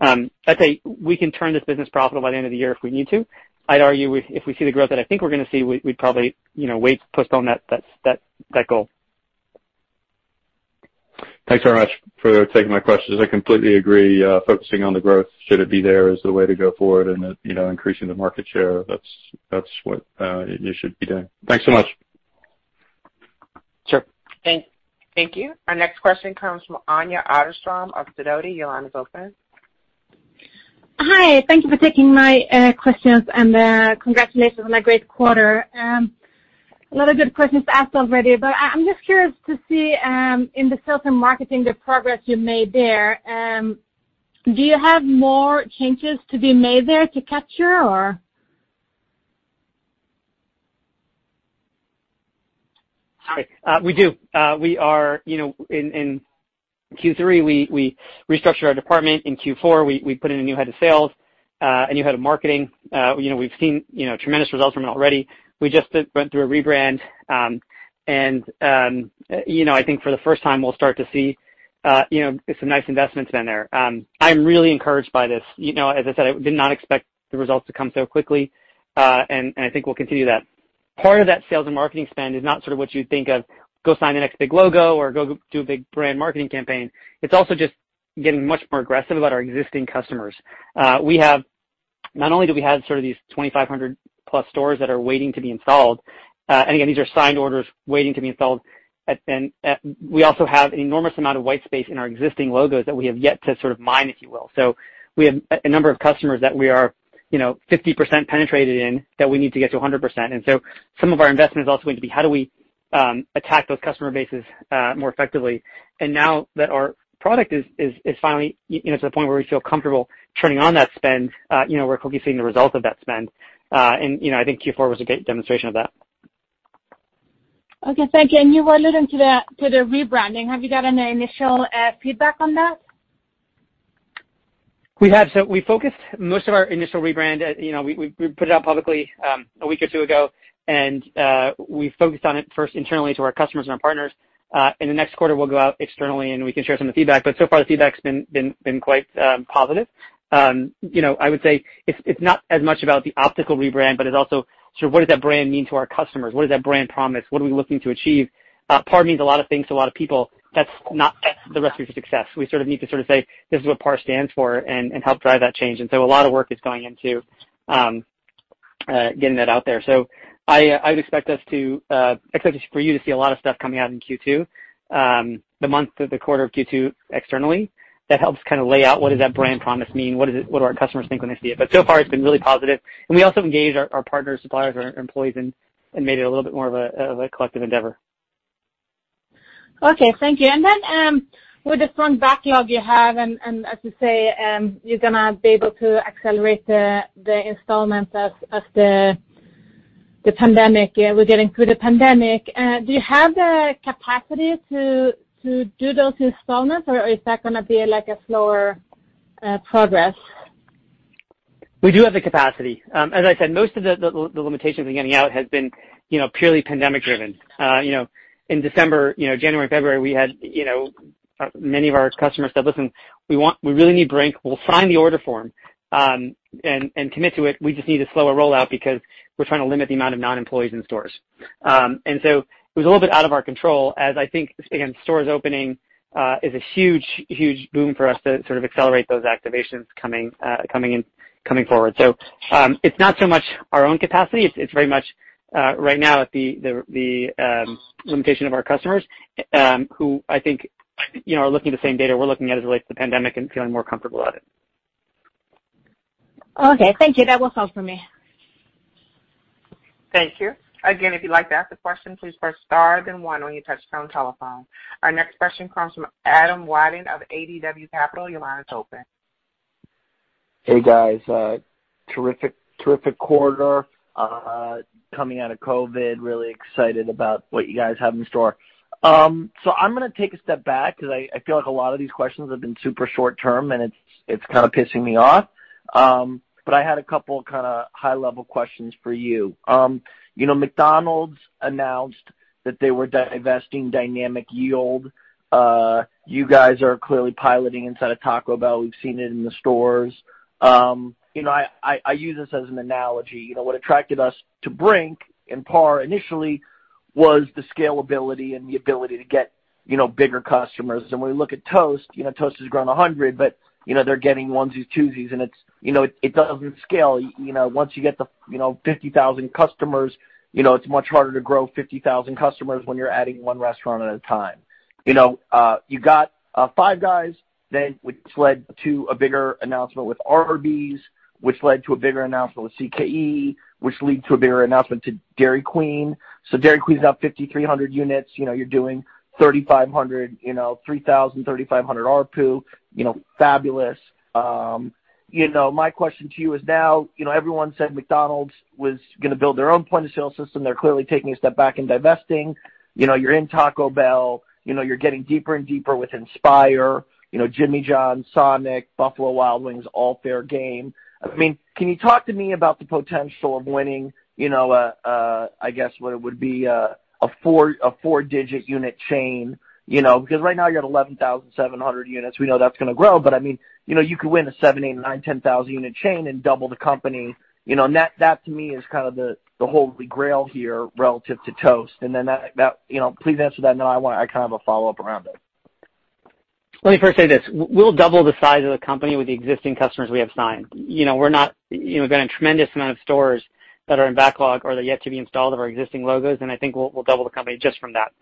I'd say we can turn this business profitable by the end of the year if we need to. I'd argue if we see the growth that I think we're going to see, we'd probably wait, postpone that goal. Thanks very much for taking my questions. I completely agree. Focusing on the growth, should it be there, is the way to go forward. Increasing the market share, that's what you should be doing. Thanks so much. Sure. Thank you. Our next question comes from Anya Otterstrom of Sidoti. Your line is open. Hi. Thank you for taking my questions. Congratulations on a great quarter. A lot of good questions asked already. I am just curious to see in the sales and marketing, the progress you made there. Do you have more changes to be made there to capture, or? Sorry. We do. In Q3, we restructured our department. In Q4, we put in a new head of sales, a new head of marketing. We've seen tremendous results from it already. We just went through a rebrand. I think for the first time, we'll start to see some nice investments in there. I'm really encouraged by this. As I said, I did not expect the results to come so quickly. I think we'll continue that. Part of that sales and marketing spend is not sort of what you'd think of, go sign the next big logo or go do a big brand marketing campaign. It's also just getting much more aggressive about our existing customers. Not only do we have sort of these 2,500-plus stores that are waiting to be installed—and again, these are signed orders waiting to be installed—we also have an enormous amount of white space in our existing logos that we have yet to sort of mine, if you will. We have a number of customers that we are 50% penetrated in that we need to get to 100%. Some of our investment is also going to be how do we attack those customer bases more effectively. Now that our product is finally to the point where we feel comfortable turning on that spend, we're focusing the results of that spend. I think Q4 was a great demonstration of that. Thank you. You were alluding to the rebranding. Have you gotten any initial feedback on that? We have. We focused most of our initial rebrand—we put it out publicly a week or two ago. We focused on it first internally to our customers and our partners. In the next quarter, we'll go out externally, and we can share some of the feedback. So far, the feedback's been quite positive. I would say it's not as much about the optical rebrand, but it's also sort of what does that brand mean to our customers? What does that brand promise? What are we looking to achieve? PAR means a lot of things to a lot of people. That's the recipe for success. We sort of need to sort of say, "This is what PAR stands for," and help drive that change. A lot of work is going into getting that out there. I would expect for you to see a lot of stuff coming out in Q2, the month, the quarter of Q2 externally. That helps kind of lay out what does that brand promise mean? What do our customers think when they see it? So far, it's been really positive. We also engaged our partners, suppliers, and our employees and made it a little bit more of a collective endeavor. Okay. Thank you. With the strong backlog you have and, as you say, you're going to be able to accelerate the installments as the pandemic—we're getting through the pandemic—do you have the capacity to do those installments, or is that going to be a slower progress? We do have the capacity. As I said, most of the limitations in getting out have been purely pandemic-driven. In December, January, February, we had many of our customers said, "Listen, we really need Brink. We'll sign the order form and commit to it. We just need a slower rollout because we're trying to limit the amount of non-employees in stores." It was a little bit out of our control, as I think, again, stores opening is a huge, huge boom for us to sort of accelerate those activations coming forward. It is not so much our own capacity. It is very much right now at the limitation of our customers who I think are looking at the same data we're looking at as it relates to the pandemic and feeling more comfortable at it. Okay. Thank you. That was all for me. Thank you. Again, if you'd like to ask a question, please press star then one when you touch down telephone. Our next question comes from Adam Wyden of ADW Capital. Your line is open. Hey, guys. Terrific quarter coming out of COVID. Really excited about what you guys have in store. I'm going to take a step back because I feel like a lot of these questions have been super short-term, and it's kind of pissing me off. I had a couple of kind of high-level questions for you. McDonald's announced that they were divesting Dynamic Yield. You guys are clearly piloting inside of Taco Bell. We've seen it in the stores. I use this as an analogy. What attracted us to Brink and PAR initially was the scalability and the ability to get bigger customers. When we look at Toast, Toast has grown 100, but they're getting onesies and twosies. It doesn't scale. Once you get to 50,000 customers, it's much harder to grow 50,000 customers when you're adding one restaurant at a time. You got Five Guys, then which led to a bigger announcement with Arby's, which led to a bigger announcement with CKE, which led to a bigger announcement to Dairy Queen. Dairy Queen's now 5,300 units. You're doing 3,500, 3,000, 3,500 RPO. Fabulous. My question to you is now everyone said McDonald's was going to build their own point-of-sale system. They're clearly taking a step back and divesting. You're in Taco Bell. You're getting deeper and deeper with Inspire, Jimmy John's, Sonic, Buffalo Wild Wings, all fair game. I mean, can you talk to me about the potential of winning, I guess, what it would be, a four-digit unit chain? Because right now you're at 11,700 units. We know that's going to grow. I mean, you could win a 7,000, 8,000, 9,000, 10,000 unit chain and double the company. That, to me, is kind of the holy grail here relative to Toast. Please answer that. I kind of have a follow-up around it. Let me first say this. We'll double the size of the company with the existing customers we have signed. We've got a tremendous amount of stores that are in backlog or they're yet to be installed of our existing logos. I think we'll double the company just from that.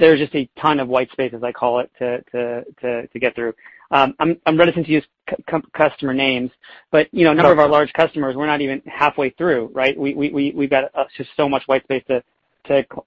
There's just a ton of white space, as I call it, to get through. I'm reticent to use customer names. A number of our large customers, we're not even halfway through, right? We've got just so much white space to,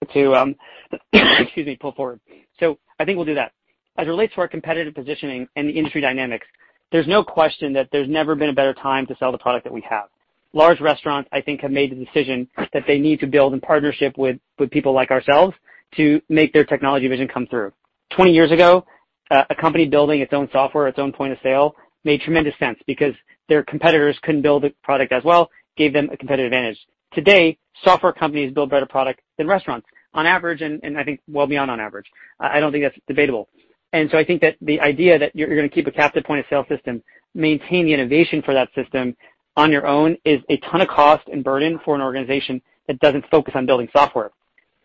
excuse me, pull forward. I think we'll do that. As it relates to our competitive positioning and the industry dynamics, there's no question that there's never been a better time to sell the product that we have. Large restaurants, I think, have made the decision that they need to build in partnership with people like ourselves to make their technology vision come through. Twenty years ago, a company building its own software, its own point of sale made tremendous sense because their competitors could not build the product as well, gave them a competitive advantage. Today, software companies build better products than restaurants on average and I think well beyond on average. I do not think that is debatable. I think that the idea that you are going to keep a captive point-of-sale system, maintain the innovation for that system on your own is a ton of cost and burden for an organization that does not focus on building software.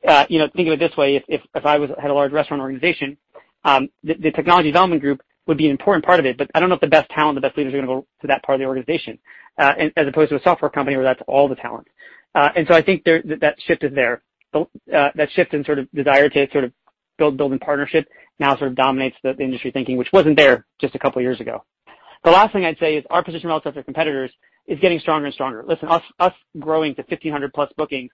Think of it this way. If I had a large restaurant organization, the technology development group would be an important part of it. I don't know if the best talent, the best leaders are going to go to that part of the organization as opposed to a software company where that's all the talent. I think that shift is there. That shift in sort of desire to sort of build in partnership now sort of dominates the industry thinking, which wasn't there just a couple of years ago. The last thing I'd say is our position relative to our competitors is getting stronger and stronger. Listen, us growing to 1,500-plus bookings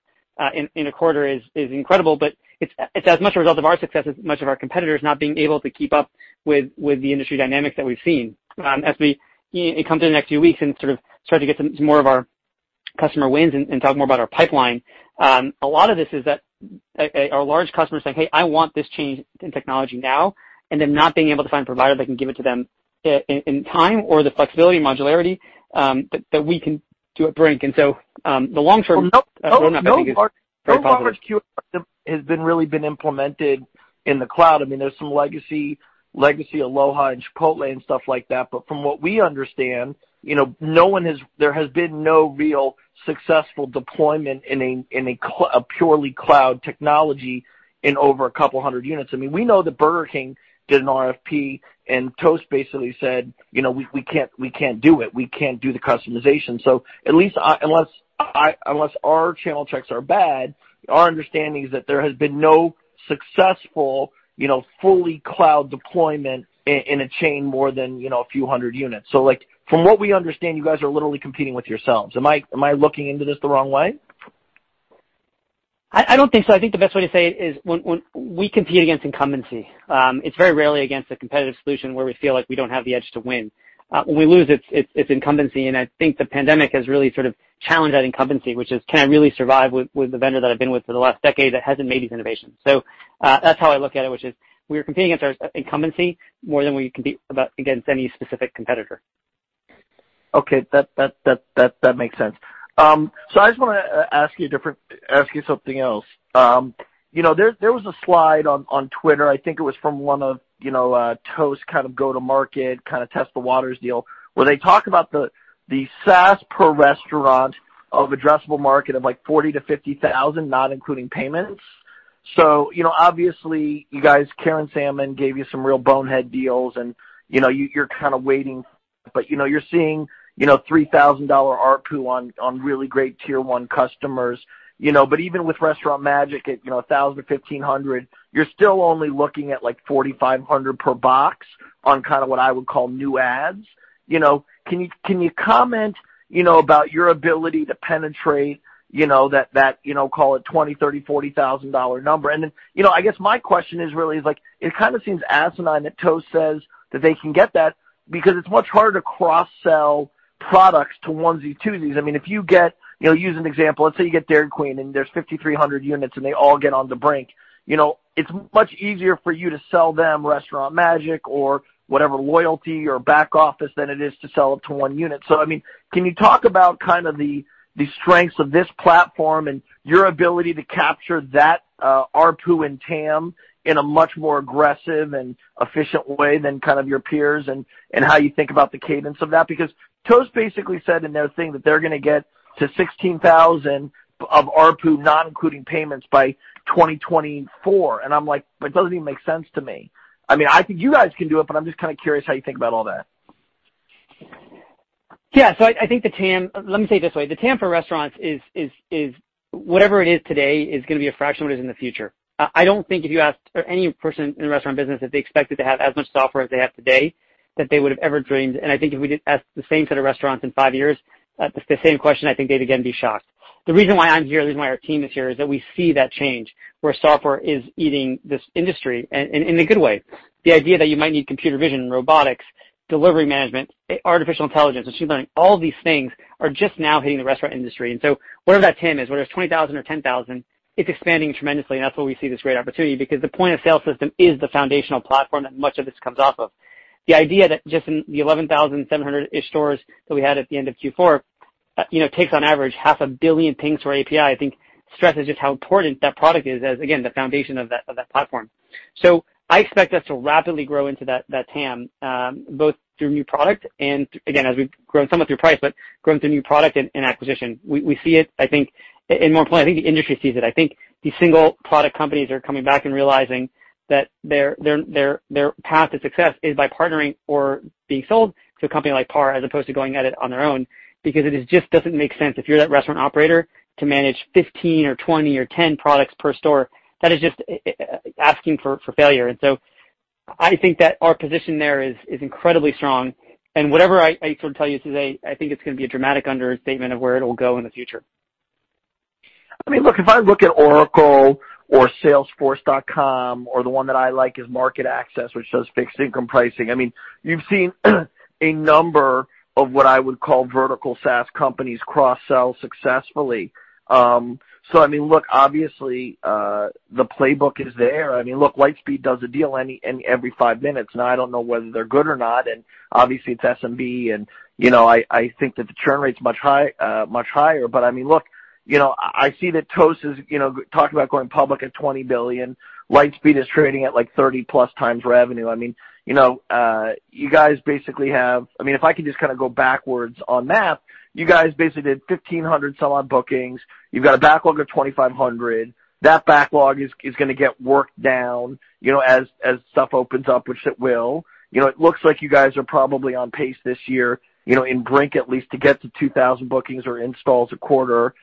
in a quarter is incredible. It is as much a result of our success as much of our competitors not being able to keep up with the industry dynamics that we've seen. As we come to the next few weeks and sort of start to get some more of our customer wins and talk more about our pipeline, a lot of this is that our large customers are saying, "Hey, I want this change in technology now," and then not being able to find a provider that can give it to them in time or the flexibility and modularity that we can do at Brink. The long-term roadmap has been very positive. Nope. Nope. Nope. Large QR has really been implemented in the cloud. I mean, there's some legacy Aloha and Chipotle and stuff like that. From what we understand, there has been no real successful deployment in a purely cloud technology in over a couple of hundred units. I mean, we know that Burger King did an RFP and Toast basically said, "We can't do it. We can't do the customization." At least unless our channel checks are bad, our understanding is that there has been no successful fully cloud deployment in a chain more than a few hundred units. From what we understand, you guys are literally competing with yourselves. Am I looking into this the wrong way? I don't think so. I think the best way to say it is we compete against incumbency. It's very rarely against a competitive solution where we feel like we don't have the edge to win. When we lose, it's incumbency. I think the pandemic has really sort of challenged that incumbency, which is, "Can I really survive with the vendor that I've been with for the last decade that hasn't made these innovations?" That's how I look at it, which is we're competing against our incumbency more than we compete against any specific competitor. Okay. That makes sense. I just want to ask you something else. There was a slide on Twitter. I think it was from one of Toast's kind of go-to-market, kind of test the waters deal where they talk about the SaaS per restaurant of addressable market of like $40,000-$50,000, not including payments. Obviously, you guys, Karen Salmon gave you some real bonehead deals, and you're kind of waiting. You're seeing $3,000 RPO on really great tier-one customers. Even with Restaurant Magic at $1,000-$1,500, you're still only looking at like $4,500 per box on kind of what I would call new ads. Can you comment about your ability to penetrate that, call it, $20,000, $30,000, $40,000 number? I guess my question is really is it kind of seems asinine that Toast says that they can get that because it's much harder to cross-sell products to onesie, twosies. I mean, if you get—use an example. Let's say you get Dairy Queen, and there's 5,300 units, and they all get onto Brink. It's much easier for you to sell them Restaurant Magic or whatever loyalty or back office than it is to sell up to one unit. I mean, can you talk about kind of the strengths of this platform and your ability to capture that RPO and TAM in a much more aggressive and efficient way than kind of your peers and how you think about the cadence of that? Because Toast basically said in their thing that they're going to get to 16,000 of RPO, not including payments, by 2024. I'm like, "But it doesn't even make sense to me." I mean, I think you guys can do it, but I'm just kind of curious how you think about all that. Yeah. I think the TAM—let me say it this way. The TAM for restaurants is whatever it is today is going to be a fraction of what it is in the future. I don't think if you asked any person in the restaurant business that they expected to have as much software as they have today that they would have ever dreamed. I think if we didn't ask the same set of restaurants in five years the same question, I think they'd again be shocked. The reason why I'm here, the reason why our team is here, is that we see that change where software is eating this industry in a good way. The idea that you might need computer vision and robotics, delivery management, artificial intelligence, machine learning—all of these things are just now hitting the restaurant industry. Whatever that TAM is, whether it's 20,000 or 10,000, it's expanding tremendously. That's why we see this great opportunity because the point-of-sale system is the foundational platform that much of this comes off of. The idea that just in the 11,700-ish stores that we had at the end of Q4 takes on average half a billion pings per API, I think stresses just how important that product is as, again, the foundation of that platform. I expect us to rapidly grow into that TAM, both through new product and, again, as we've grown somewhat through price, but grown through new product and acquisition. We see it, I think, and more importantly, I think the industry sees it. I think these single-product companies are coming back and realizing that their path to success is by partnering or being sold to a company like PAR as opposed to going at it on their own because it just doesn't make sense if you're that restaurant operator to manage 15 or 20 or 10 products per store. That is just asking for failure. I think that our position there is incredibly strong. Whatever I sort of tell you today, I think it's going to be a dramatic understatement of where it will go in the future. I mean, look, if I look at Oracle or Salesforce.com or the one that I like is MarketAxess, which does fixed income pricing, I mean, you've seen a number of what I would call vertical SaaS companies cross-sell successfully. I mean, look, obviously, the playbook is there. I mean, look, Lightspeed does a deal every five minutes. I don't know whether they're good or not. Obviously, it's SMB. I think that the churn rate's much higher. I mean, look, I see that Toast is talking about going public at $20 billion. Lightspeed is trading at like 30-plus times revenue. I mean, you guys basically have—I mean, if I could just kind of go backwards on that, you guys basically did 1,500-some-odd bookings. You've got a backlog of 2,500. That backlog is going to get worked down as stuff opens up, which it will. It looks like you guys are probably on pace this year in Brink, at least, to get to 2,000 bookings or installs a quarter.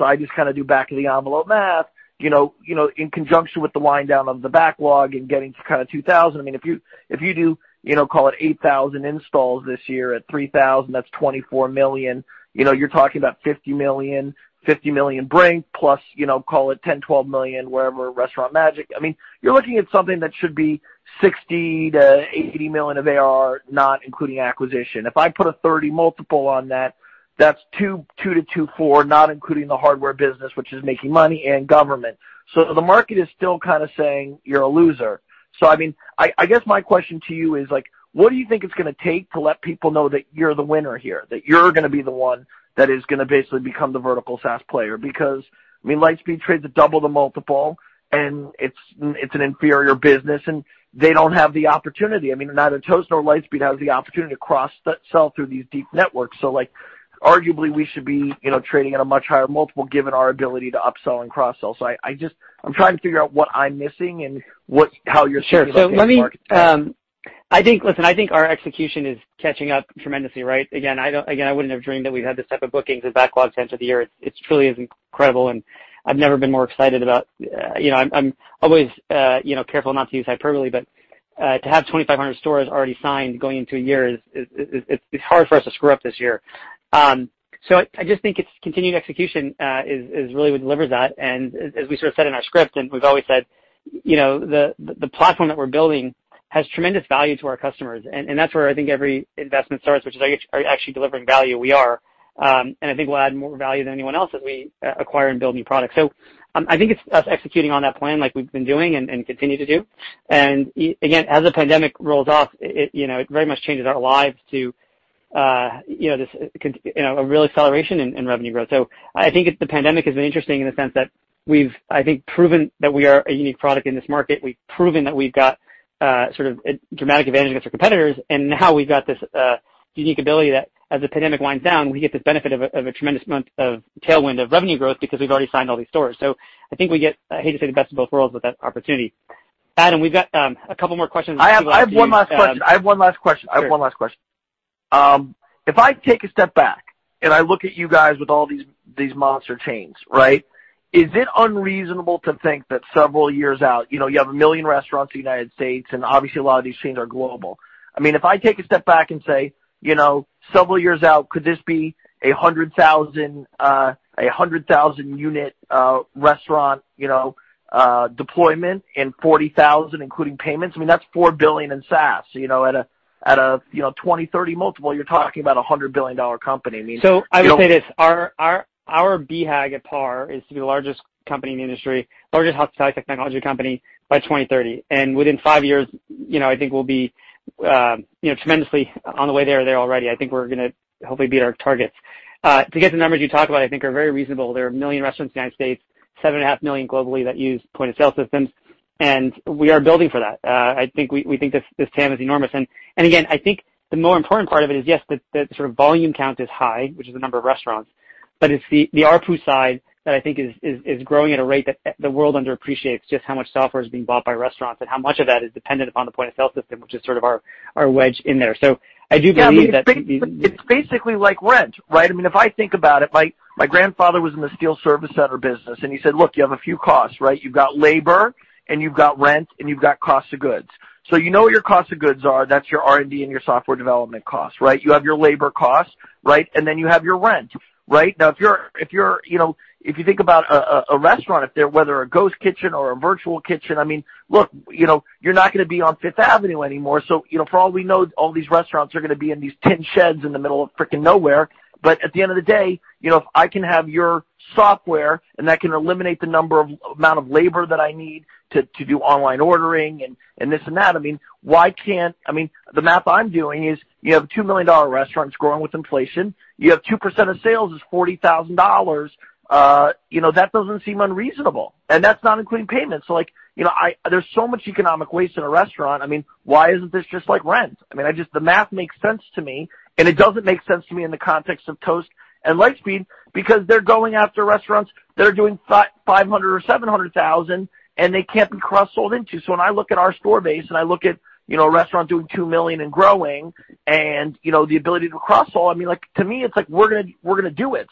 I just kind of do back-of-the-envelope math in conjunction with the wind-down of the backlog and getting to kind of 2,000. I mean, if you do, call it, 8,000 installs this year at 3,000, that's $24 million. You're talking about $50 million, $50 million Brink plus, call it, $10-$12 million, wherever Restaurant Magic. I mean, you're looking at something that should be $60-$80 million of ARR, not including acquisition. If I put a 30 multiple on that, that's $2 billion to $2.4 billion, not including the hardware business, which is making money, and government. The market is still kind of saying, "You're a loser." I mean, I guess my question to you is, what do you think it's going to take to let people know that you're the winner here, that you're going to be the one that is going to basically become the vertical SaaS player? Because I mean, Lightspeed trades at double the multiple, and it's an inferior business, and they don't have the opportunity. I mean, neither Toast nor Lightspeed has the opportunity to cross-sell through these deep networks. Arguably, we should be trading at a much higher multiple given our ability to upsell and cross-sell. I'm trying to figure out what I'm missing and how you're seeing that in the market. Sure. Let me—I think, listen, I think our execution is catching up tremendously, right? Again, I wouldn't have dreamed that we'd had this type of bookings and backlogs at the end of the year. It truly is incredible. I've never been more excited about—I am always careful not to use hyperbole—but to have 2,500 stores already signed going into a year, it's hard for us to screw up this year. I just think continued execution is really what delivers that. As we sort of said in our script, and we've always said, the platform that we're building has tremendous value to our customers. That's where I think every investment starts, which is actually delivering value. We are. I think we'll add more value than anyone else as we acquire and build new products. I think it's us executing on that plan like we've been doing and continue to do. Again, as the pandemic rolls off, it very much changes our lives to this real acceleration in revenue growth. I think the pandemic has been interesting in the sense that we've, I think, proven that we are a unique product in this market. We've proven that we've got sort of dramatic advantage against our competitors. Now we've got this unique ability that as the pandemic winds down, we get this benefit of a tremendous tailwind of revenue growth because we've already signed all these stores. I think we get—I hate to say the best of both worlds with that opportunity. Adam, we've got a couple more questions before we get to— I have one last question. If I take a step back and I look at you guys with all these monster chains, right, is it unreasonable to think that several years out you have a million restaurants in the United States, and obviously, a lot of these chains are global? I mean, if I take a step back and say, several years out, could this be a 100,000-unit restaurant deployment and 40,000, including payments? I mean, that's $4 billion in SaaS. At a 20-30 multiple, you're talking about a $100 billion company. I mean, really. I would say this. Our beehive at PAR is to be the largest company in the industry, largest hospitality technology company by 2030. Within five years, I think we'll be tremendously on the way there already. I think we're going to hopefully beat our targets. To get the numbers you talk about, I think are very reasonable. There are a million restaurants in the United States, 7.5 million globally that use point-of-sale systems. We are building for that. I think this TAM is enormous. Again, I think the more important part of it is, yes, the sort of volume count is high, which is the number of restaurants. It's the RPO side that I think is growing at a rate that the world underappreciates just how much software is being bought by restaurants and how much of that is dependent upon the point-of-sale system, which is sort of our wedge in there. I do believe that. I mean, it's basically like rent, right? I mean, if I think about it, my grandfather was in the steel service center business, and he said, "Look, you have a few costs, right? You've got labor, and you've got rent, and you've got cost of goods." You know what your cost of goods are. That's your R&D and your software development cost, right? You have your labor cost, right? And then you have your rent, right? If you think about a restaurant, whether a ghost kitchen or a virtual kitchen, I mean, look, you're not going to be on Fifth Avenue anymore. For all we know, all these restaurants are going to be in these tin sheds in the middle of freaking nowhere. At the end of the day, if I can have your software and that can eliminate the amount of labor that I need to do online ordering and this and that, I mean, why can't—I mean, the math I'm doing is you have 2 million restaurants growing with inflation. You have 2% of sales is $40,000. That doesn't seem unreasonable. And that's not including payments. There is so much economic waste in a restaurant. I mean, why isn't this just like rent? I mean, the math makes sense to me, and it doesn't make sense to me in the context of Toast and Lightspeed because they're going after restaurants that are doing $500,000 or $700,000, and they can't be cross-sold into. When I look at our store base and I look at a restaurant doing $2 million and growing and the ability to cross-sell, I mean, to me, it's like we're going to do it.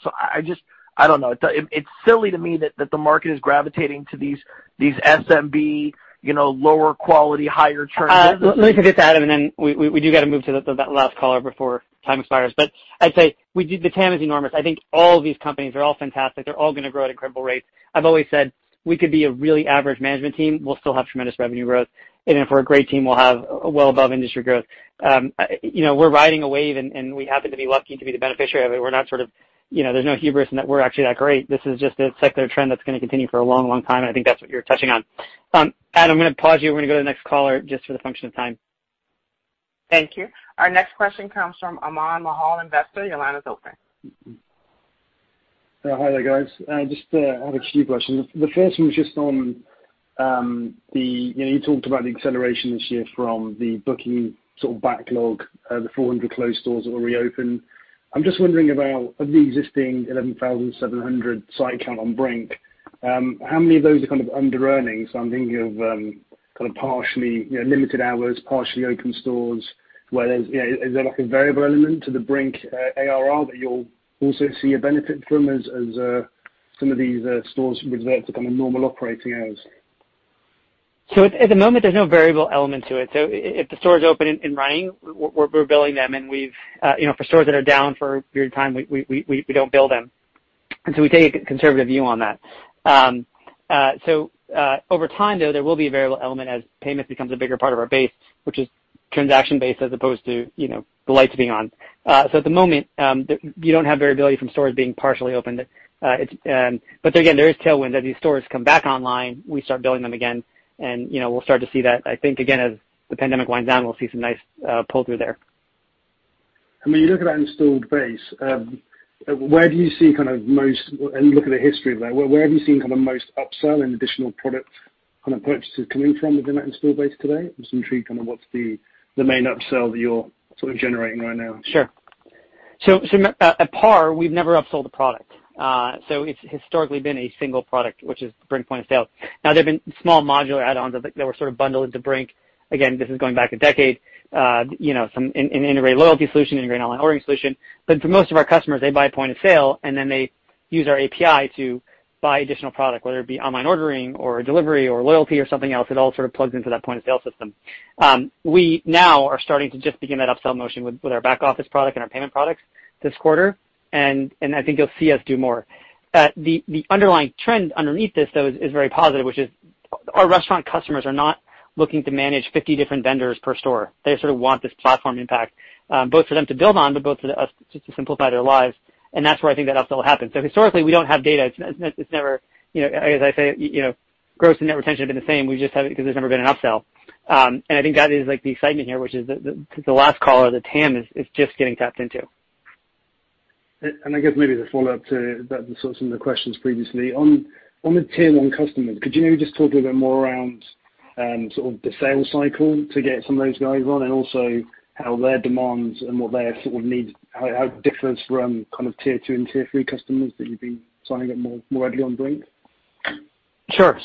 I don't know. It's silly to me that the market is gravitating to these SMB, lower quality, higher churn businesses. Let me say this to Adam, and then we do got to move to the last caller before time expires. I'd say the TAM is enormous. I think all of these companies are all fantastic. They're all going to grow at incredible rates. I've always said we could be a really average management team. We'll still have tremendous revenue growth. If we're a great team, we'll have well above industry growth. We're riding a wave, and we happen to be lucky to be the beneficiary of it. We're not sort of—there's no hubris in that we're actually that great. This is just a secular trend that's going to continue for a long, long time. I think that's what you're touching on. Adam, I'm going to pause you. We're going to go to the next caller just for the function of time. Thank you. Our next question comes from Amman Mahal, Investor. Your line is open. Hi, there guys. Just have a few questions. The first one was just on the—you talked about the acceleration this year from the booking sort of backlog, the 400 closed stores that were reopened. I'm just wondering about the existing 11,700 site count on Brink. How many of those are kind of under-earning? So I'm thinking of kind of partially limited hours, partially open stores. Is there a variable element to the Brink ARR that you'll also see a benefit from as some of these stores reserve to kind of normal operating hours? At the moment, there's no variable element to it. If the store is open and running, we're billing them. For stores that are down for a period of time, we don't bill them. We take a conservative view on that. Over time, though, there will be a variable element as payment becomes a bigger part of our base, which is transaction-based as opposed to the lights being on. At the moment, you don't have variability from stores being partially open. Again, there is tailwind. As these stores come back online, we start billing them again. We'll start to see that, I think, again, as the pandemic winds down, we'll see some nice pull-through there. I mean, you look at that installed base. Where do you see kind of most—and look at the history of that. Where have you seen kind of most upsell and additional product kind of purchases coming from within that installed base today? I'm just intrigued kind of what's the main upsell that you're sort of generating right now. Sure. At PAR, we've never upsold a product. It has historically been a single product, which is Brink point of sale. There have been small modular add-ons that were sort of bundled into Brink. Again, this is going back a decade, an integrated loyalty solution, integrated online ordering solution. For most of our customers, they buy a point of sale, and then they use our API to buy additional product, whether it be online ordering or delivery or loyalty or something else. It all sort of plugs into that point of sale system. We now are starting to just begin that upsell motion with our back office product and our payment products this quarter. I think you'll see us do more. The underlying trend underneath this, though, is very positive, which is our restaurant customers are not looking to manage 50 different vendors per store. They sort of want this platform impact, both for them to build on, but both for us just to simplify their lives. That is where I think that upsell happens. Historically, we do not have data. It is never, as I say, gross and net retention have been the same. We just have it because there has never been an upsell. I think that is the excitement here, which is the last caller of the TAM is just getting tapped into. I guess maybe to follow up to some of the questions previously, on the tier-one customers, could you maybe just talk a little bit more around sort of the sales cycle to get some of those guys on and also how their demands and what their sort of needs, how it differs from kind of tier-two and tier-three customers that you've been signing up more readily on Brink? Sure.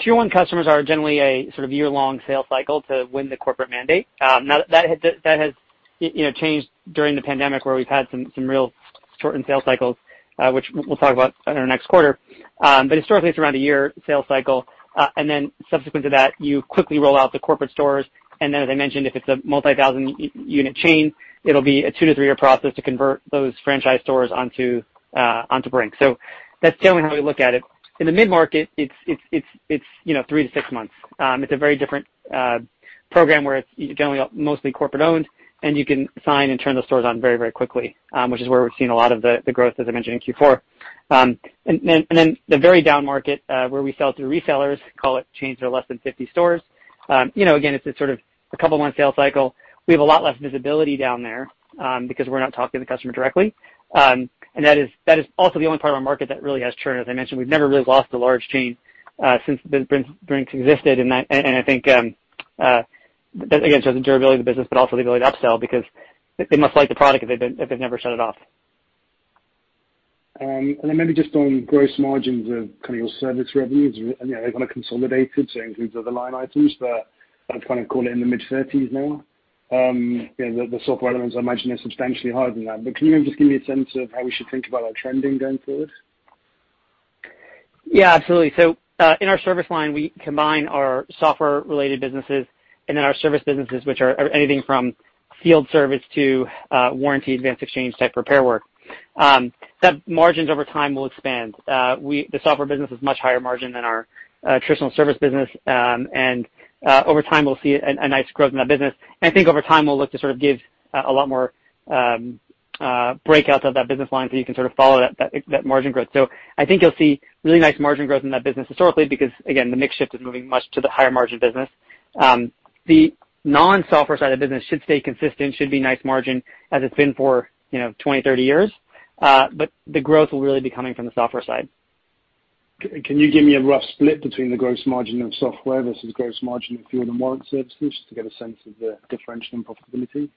Tier-one customers are generally a sort of year-long sales cycle to win the corporate mandate. That has changed during the pandemic where we've had some real shortened sales cycles, which we'll talk about in our next quarter. Historically, it's around a year sales cycle. Subsequent to that, you quickly roll out the corporate stores. As I mentioned, if it's a multi-thousand-unit chain, it'll be a two-to-three-year process to convert those franchise stores onto Brink. That's generally how we look at it. In the mid-market, it's three to six months. It's a very different program where it's generally mostly corporate-owned, and you can sign and turn those stores on very, very quickly, which is where we've seen a lot of the growth, as I mentioned, in Q4. The very down market, where we sell through resellers, call it chains that are less than 50 stores, is sort of a couple-month sales cycle. We have a lot less visibility down there because we're not talking to the customer directly. That is also the only part of our market that really has churn, as I mentioned. We've never really lost a large chain since Brink existed. I think that, again, shows the durability of the business, but also the ability to upsell because they must like the product if they've never shut it off. Maybe just on gross margins of kind of your service revenues, they've kind of consolidated to include the line items. That's kind of calling it in the mid-30s now. The software elements, I imagine, are substantially higher than that. Can you maybe just give me a sense of how we should think about our trending going forward? Yeah, absolutely. In our service line, we combine our software-related businesses and then our service businesses, which are anything from field service to warranty advance exchange type repair work. That margin over time will expand. The software business is much higher margin than our traditional service business. Over time, we'll see a nice growth in that business. I think over time, we'll look to sort of give a lot more breakouts of that business line so you can sort of follow that margin growth. I think you'll see really nice margin growth in that business historically because, again, the mix shift is moving much to the higher margin business. The non-software side of the business should stay consistent, should be nice margin as it's been for 20-30 years. The growth will really be coming from the software side. Can you give me a rough split between the gross margin of software versus gross margin of fuel and warranty services just to get a sense of the differential in profitability?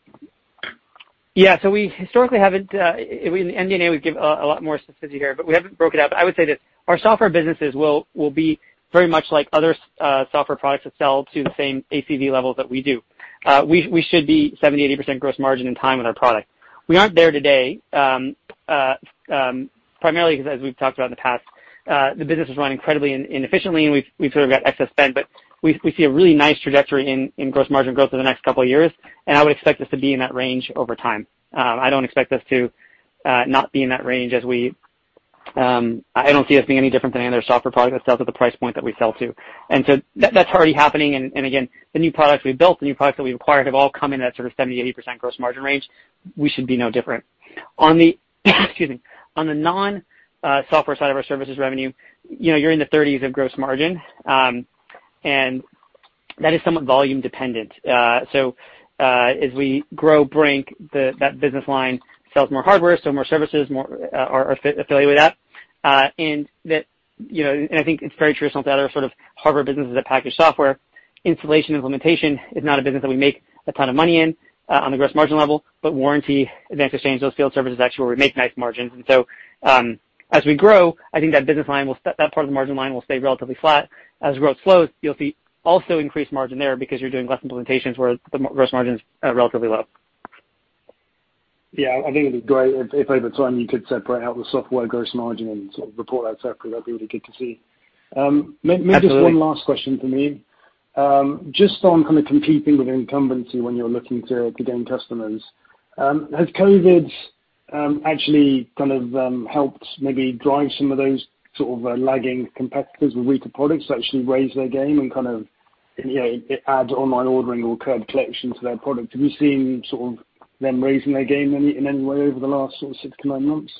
Yeah. We historically have not—in the end, we give a lot more specificity here, but we have not broken it up. I would say this. Our software businesses will be very much like other software products that sell to the same ACV levels that we do. We should be 70-80% gross margin in time with our product. We are not there today primarily because, as we have talked about in the past, the business is running incredibly inefficiently, and we have sort of got excess spend. We see a really nice trajectory in gross margin growth in the next couple of years. I would expect us to be in that range over time. I do not expect us to not be in that range as we—I do not see us being any different than any other software product that sells at the price point that we sell to. That's already happening. Again, the new products we've built, the new products that we've acquired have all come in that sort of 70-80% gross margin range. We should be no different. On the, excuse me, on the non-software side of our services revenue, you're in the 30s of gross margin. That is somewhat volume dependent. As we grow Brink, that business line sells more hardware, so more services are affiliated with that. I think it's very traditional that other sort of hardware businesses that package software, installation, implementation is not a business that we make a ton of money in on the gross margin level. Warranty, advance exchange, those field services are actually where we make nice margins. As we grow, I think that business line, that part of the margin line will stay relatively flat. As growth slows, you'll see also increased margin there because you're doing less implementations where the gross margin is relatively low. Yeah. I think it'd be great if over time you could separate out the software gross margin and sort of report that separately. That'd be really good to see. Maybe just one last question for me. Just on kind of competing with incumbency when you're looking to gain customers, has COVID actually kind of helped maybe drive some of those sort of lagging competitors with retail products to actually raise their game and kind of add online ordering or curb collection to their products? Have you seen sort of them raising their game in any way over the last sort of six to nine months?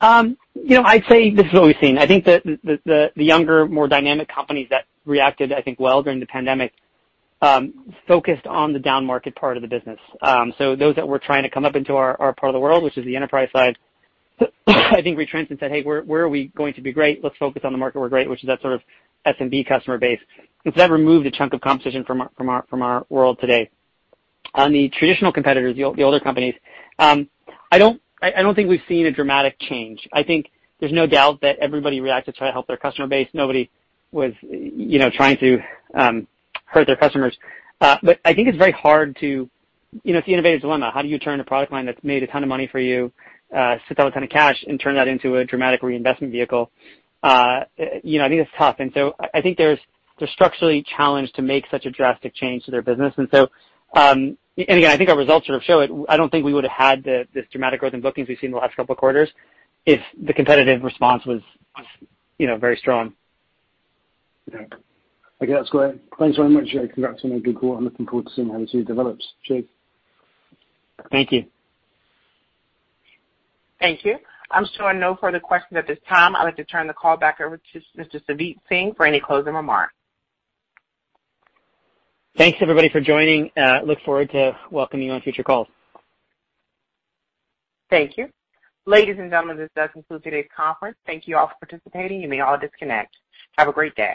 I'd say this is what we've seen. I think the younger, more dynamic companies that reacted, I think, well during the pandemic focused on the down market part of the business. Those that were trying to come up into our part of the world, which is the enterprise side, I think retrenched and said, "Hey, where are we going to be great? Let's focus on the market we're great," which is that sort of SMB customer base. That removed a chunk of competition from our world today. On the traditional competitors, the older companies, I don't think we've seen a dramatic change. I think there's no doubt that everybody reacted to try to help their customer base. Nobody was trying to hurt their customers. I think it's very hard to—it's the innovative dilemma. How do you turn a product line that's made a ton of money for you, sit down with a ton of cash, and turn that into a dramatic reinvestment vehicle? I think it's tough. I think they're structurally challenged to make such a drastic change to their business. I think our results sort of show it. I don't think we would have had this dramatic growth in bookings we've seen the last couple of quarters if the competitive response was very strong. Okay. That's great. Thanks very much, Jay. Congrats on your good call. I'm looking forward to seeing how this year develops. Cheers. Thank you. Thank you. I'm showing no further questions at this time. I'd like to turn the call back over to Mr. Savneet Singh for any closing remarks. Thanks, everybody, for joining. Look forward to welcoming you on future calls. Thank you. Ladies and gentlemen, this does conclude today's conference. Thank you all for participating. You may all disconnect. Have a great day.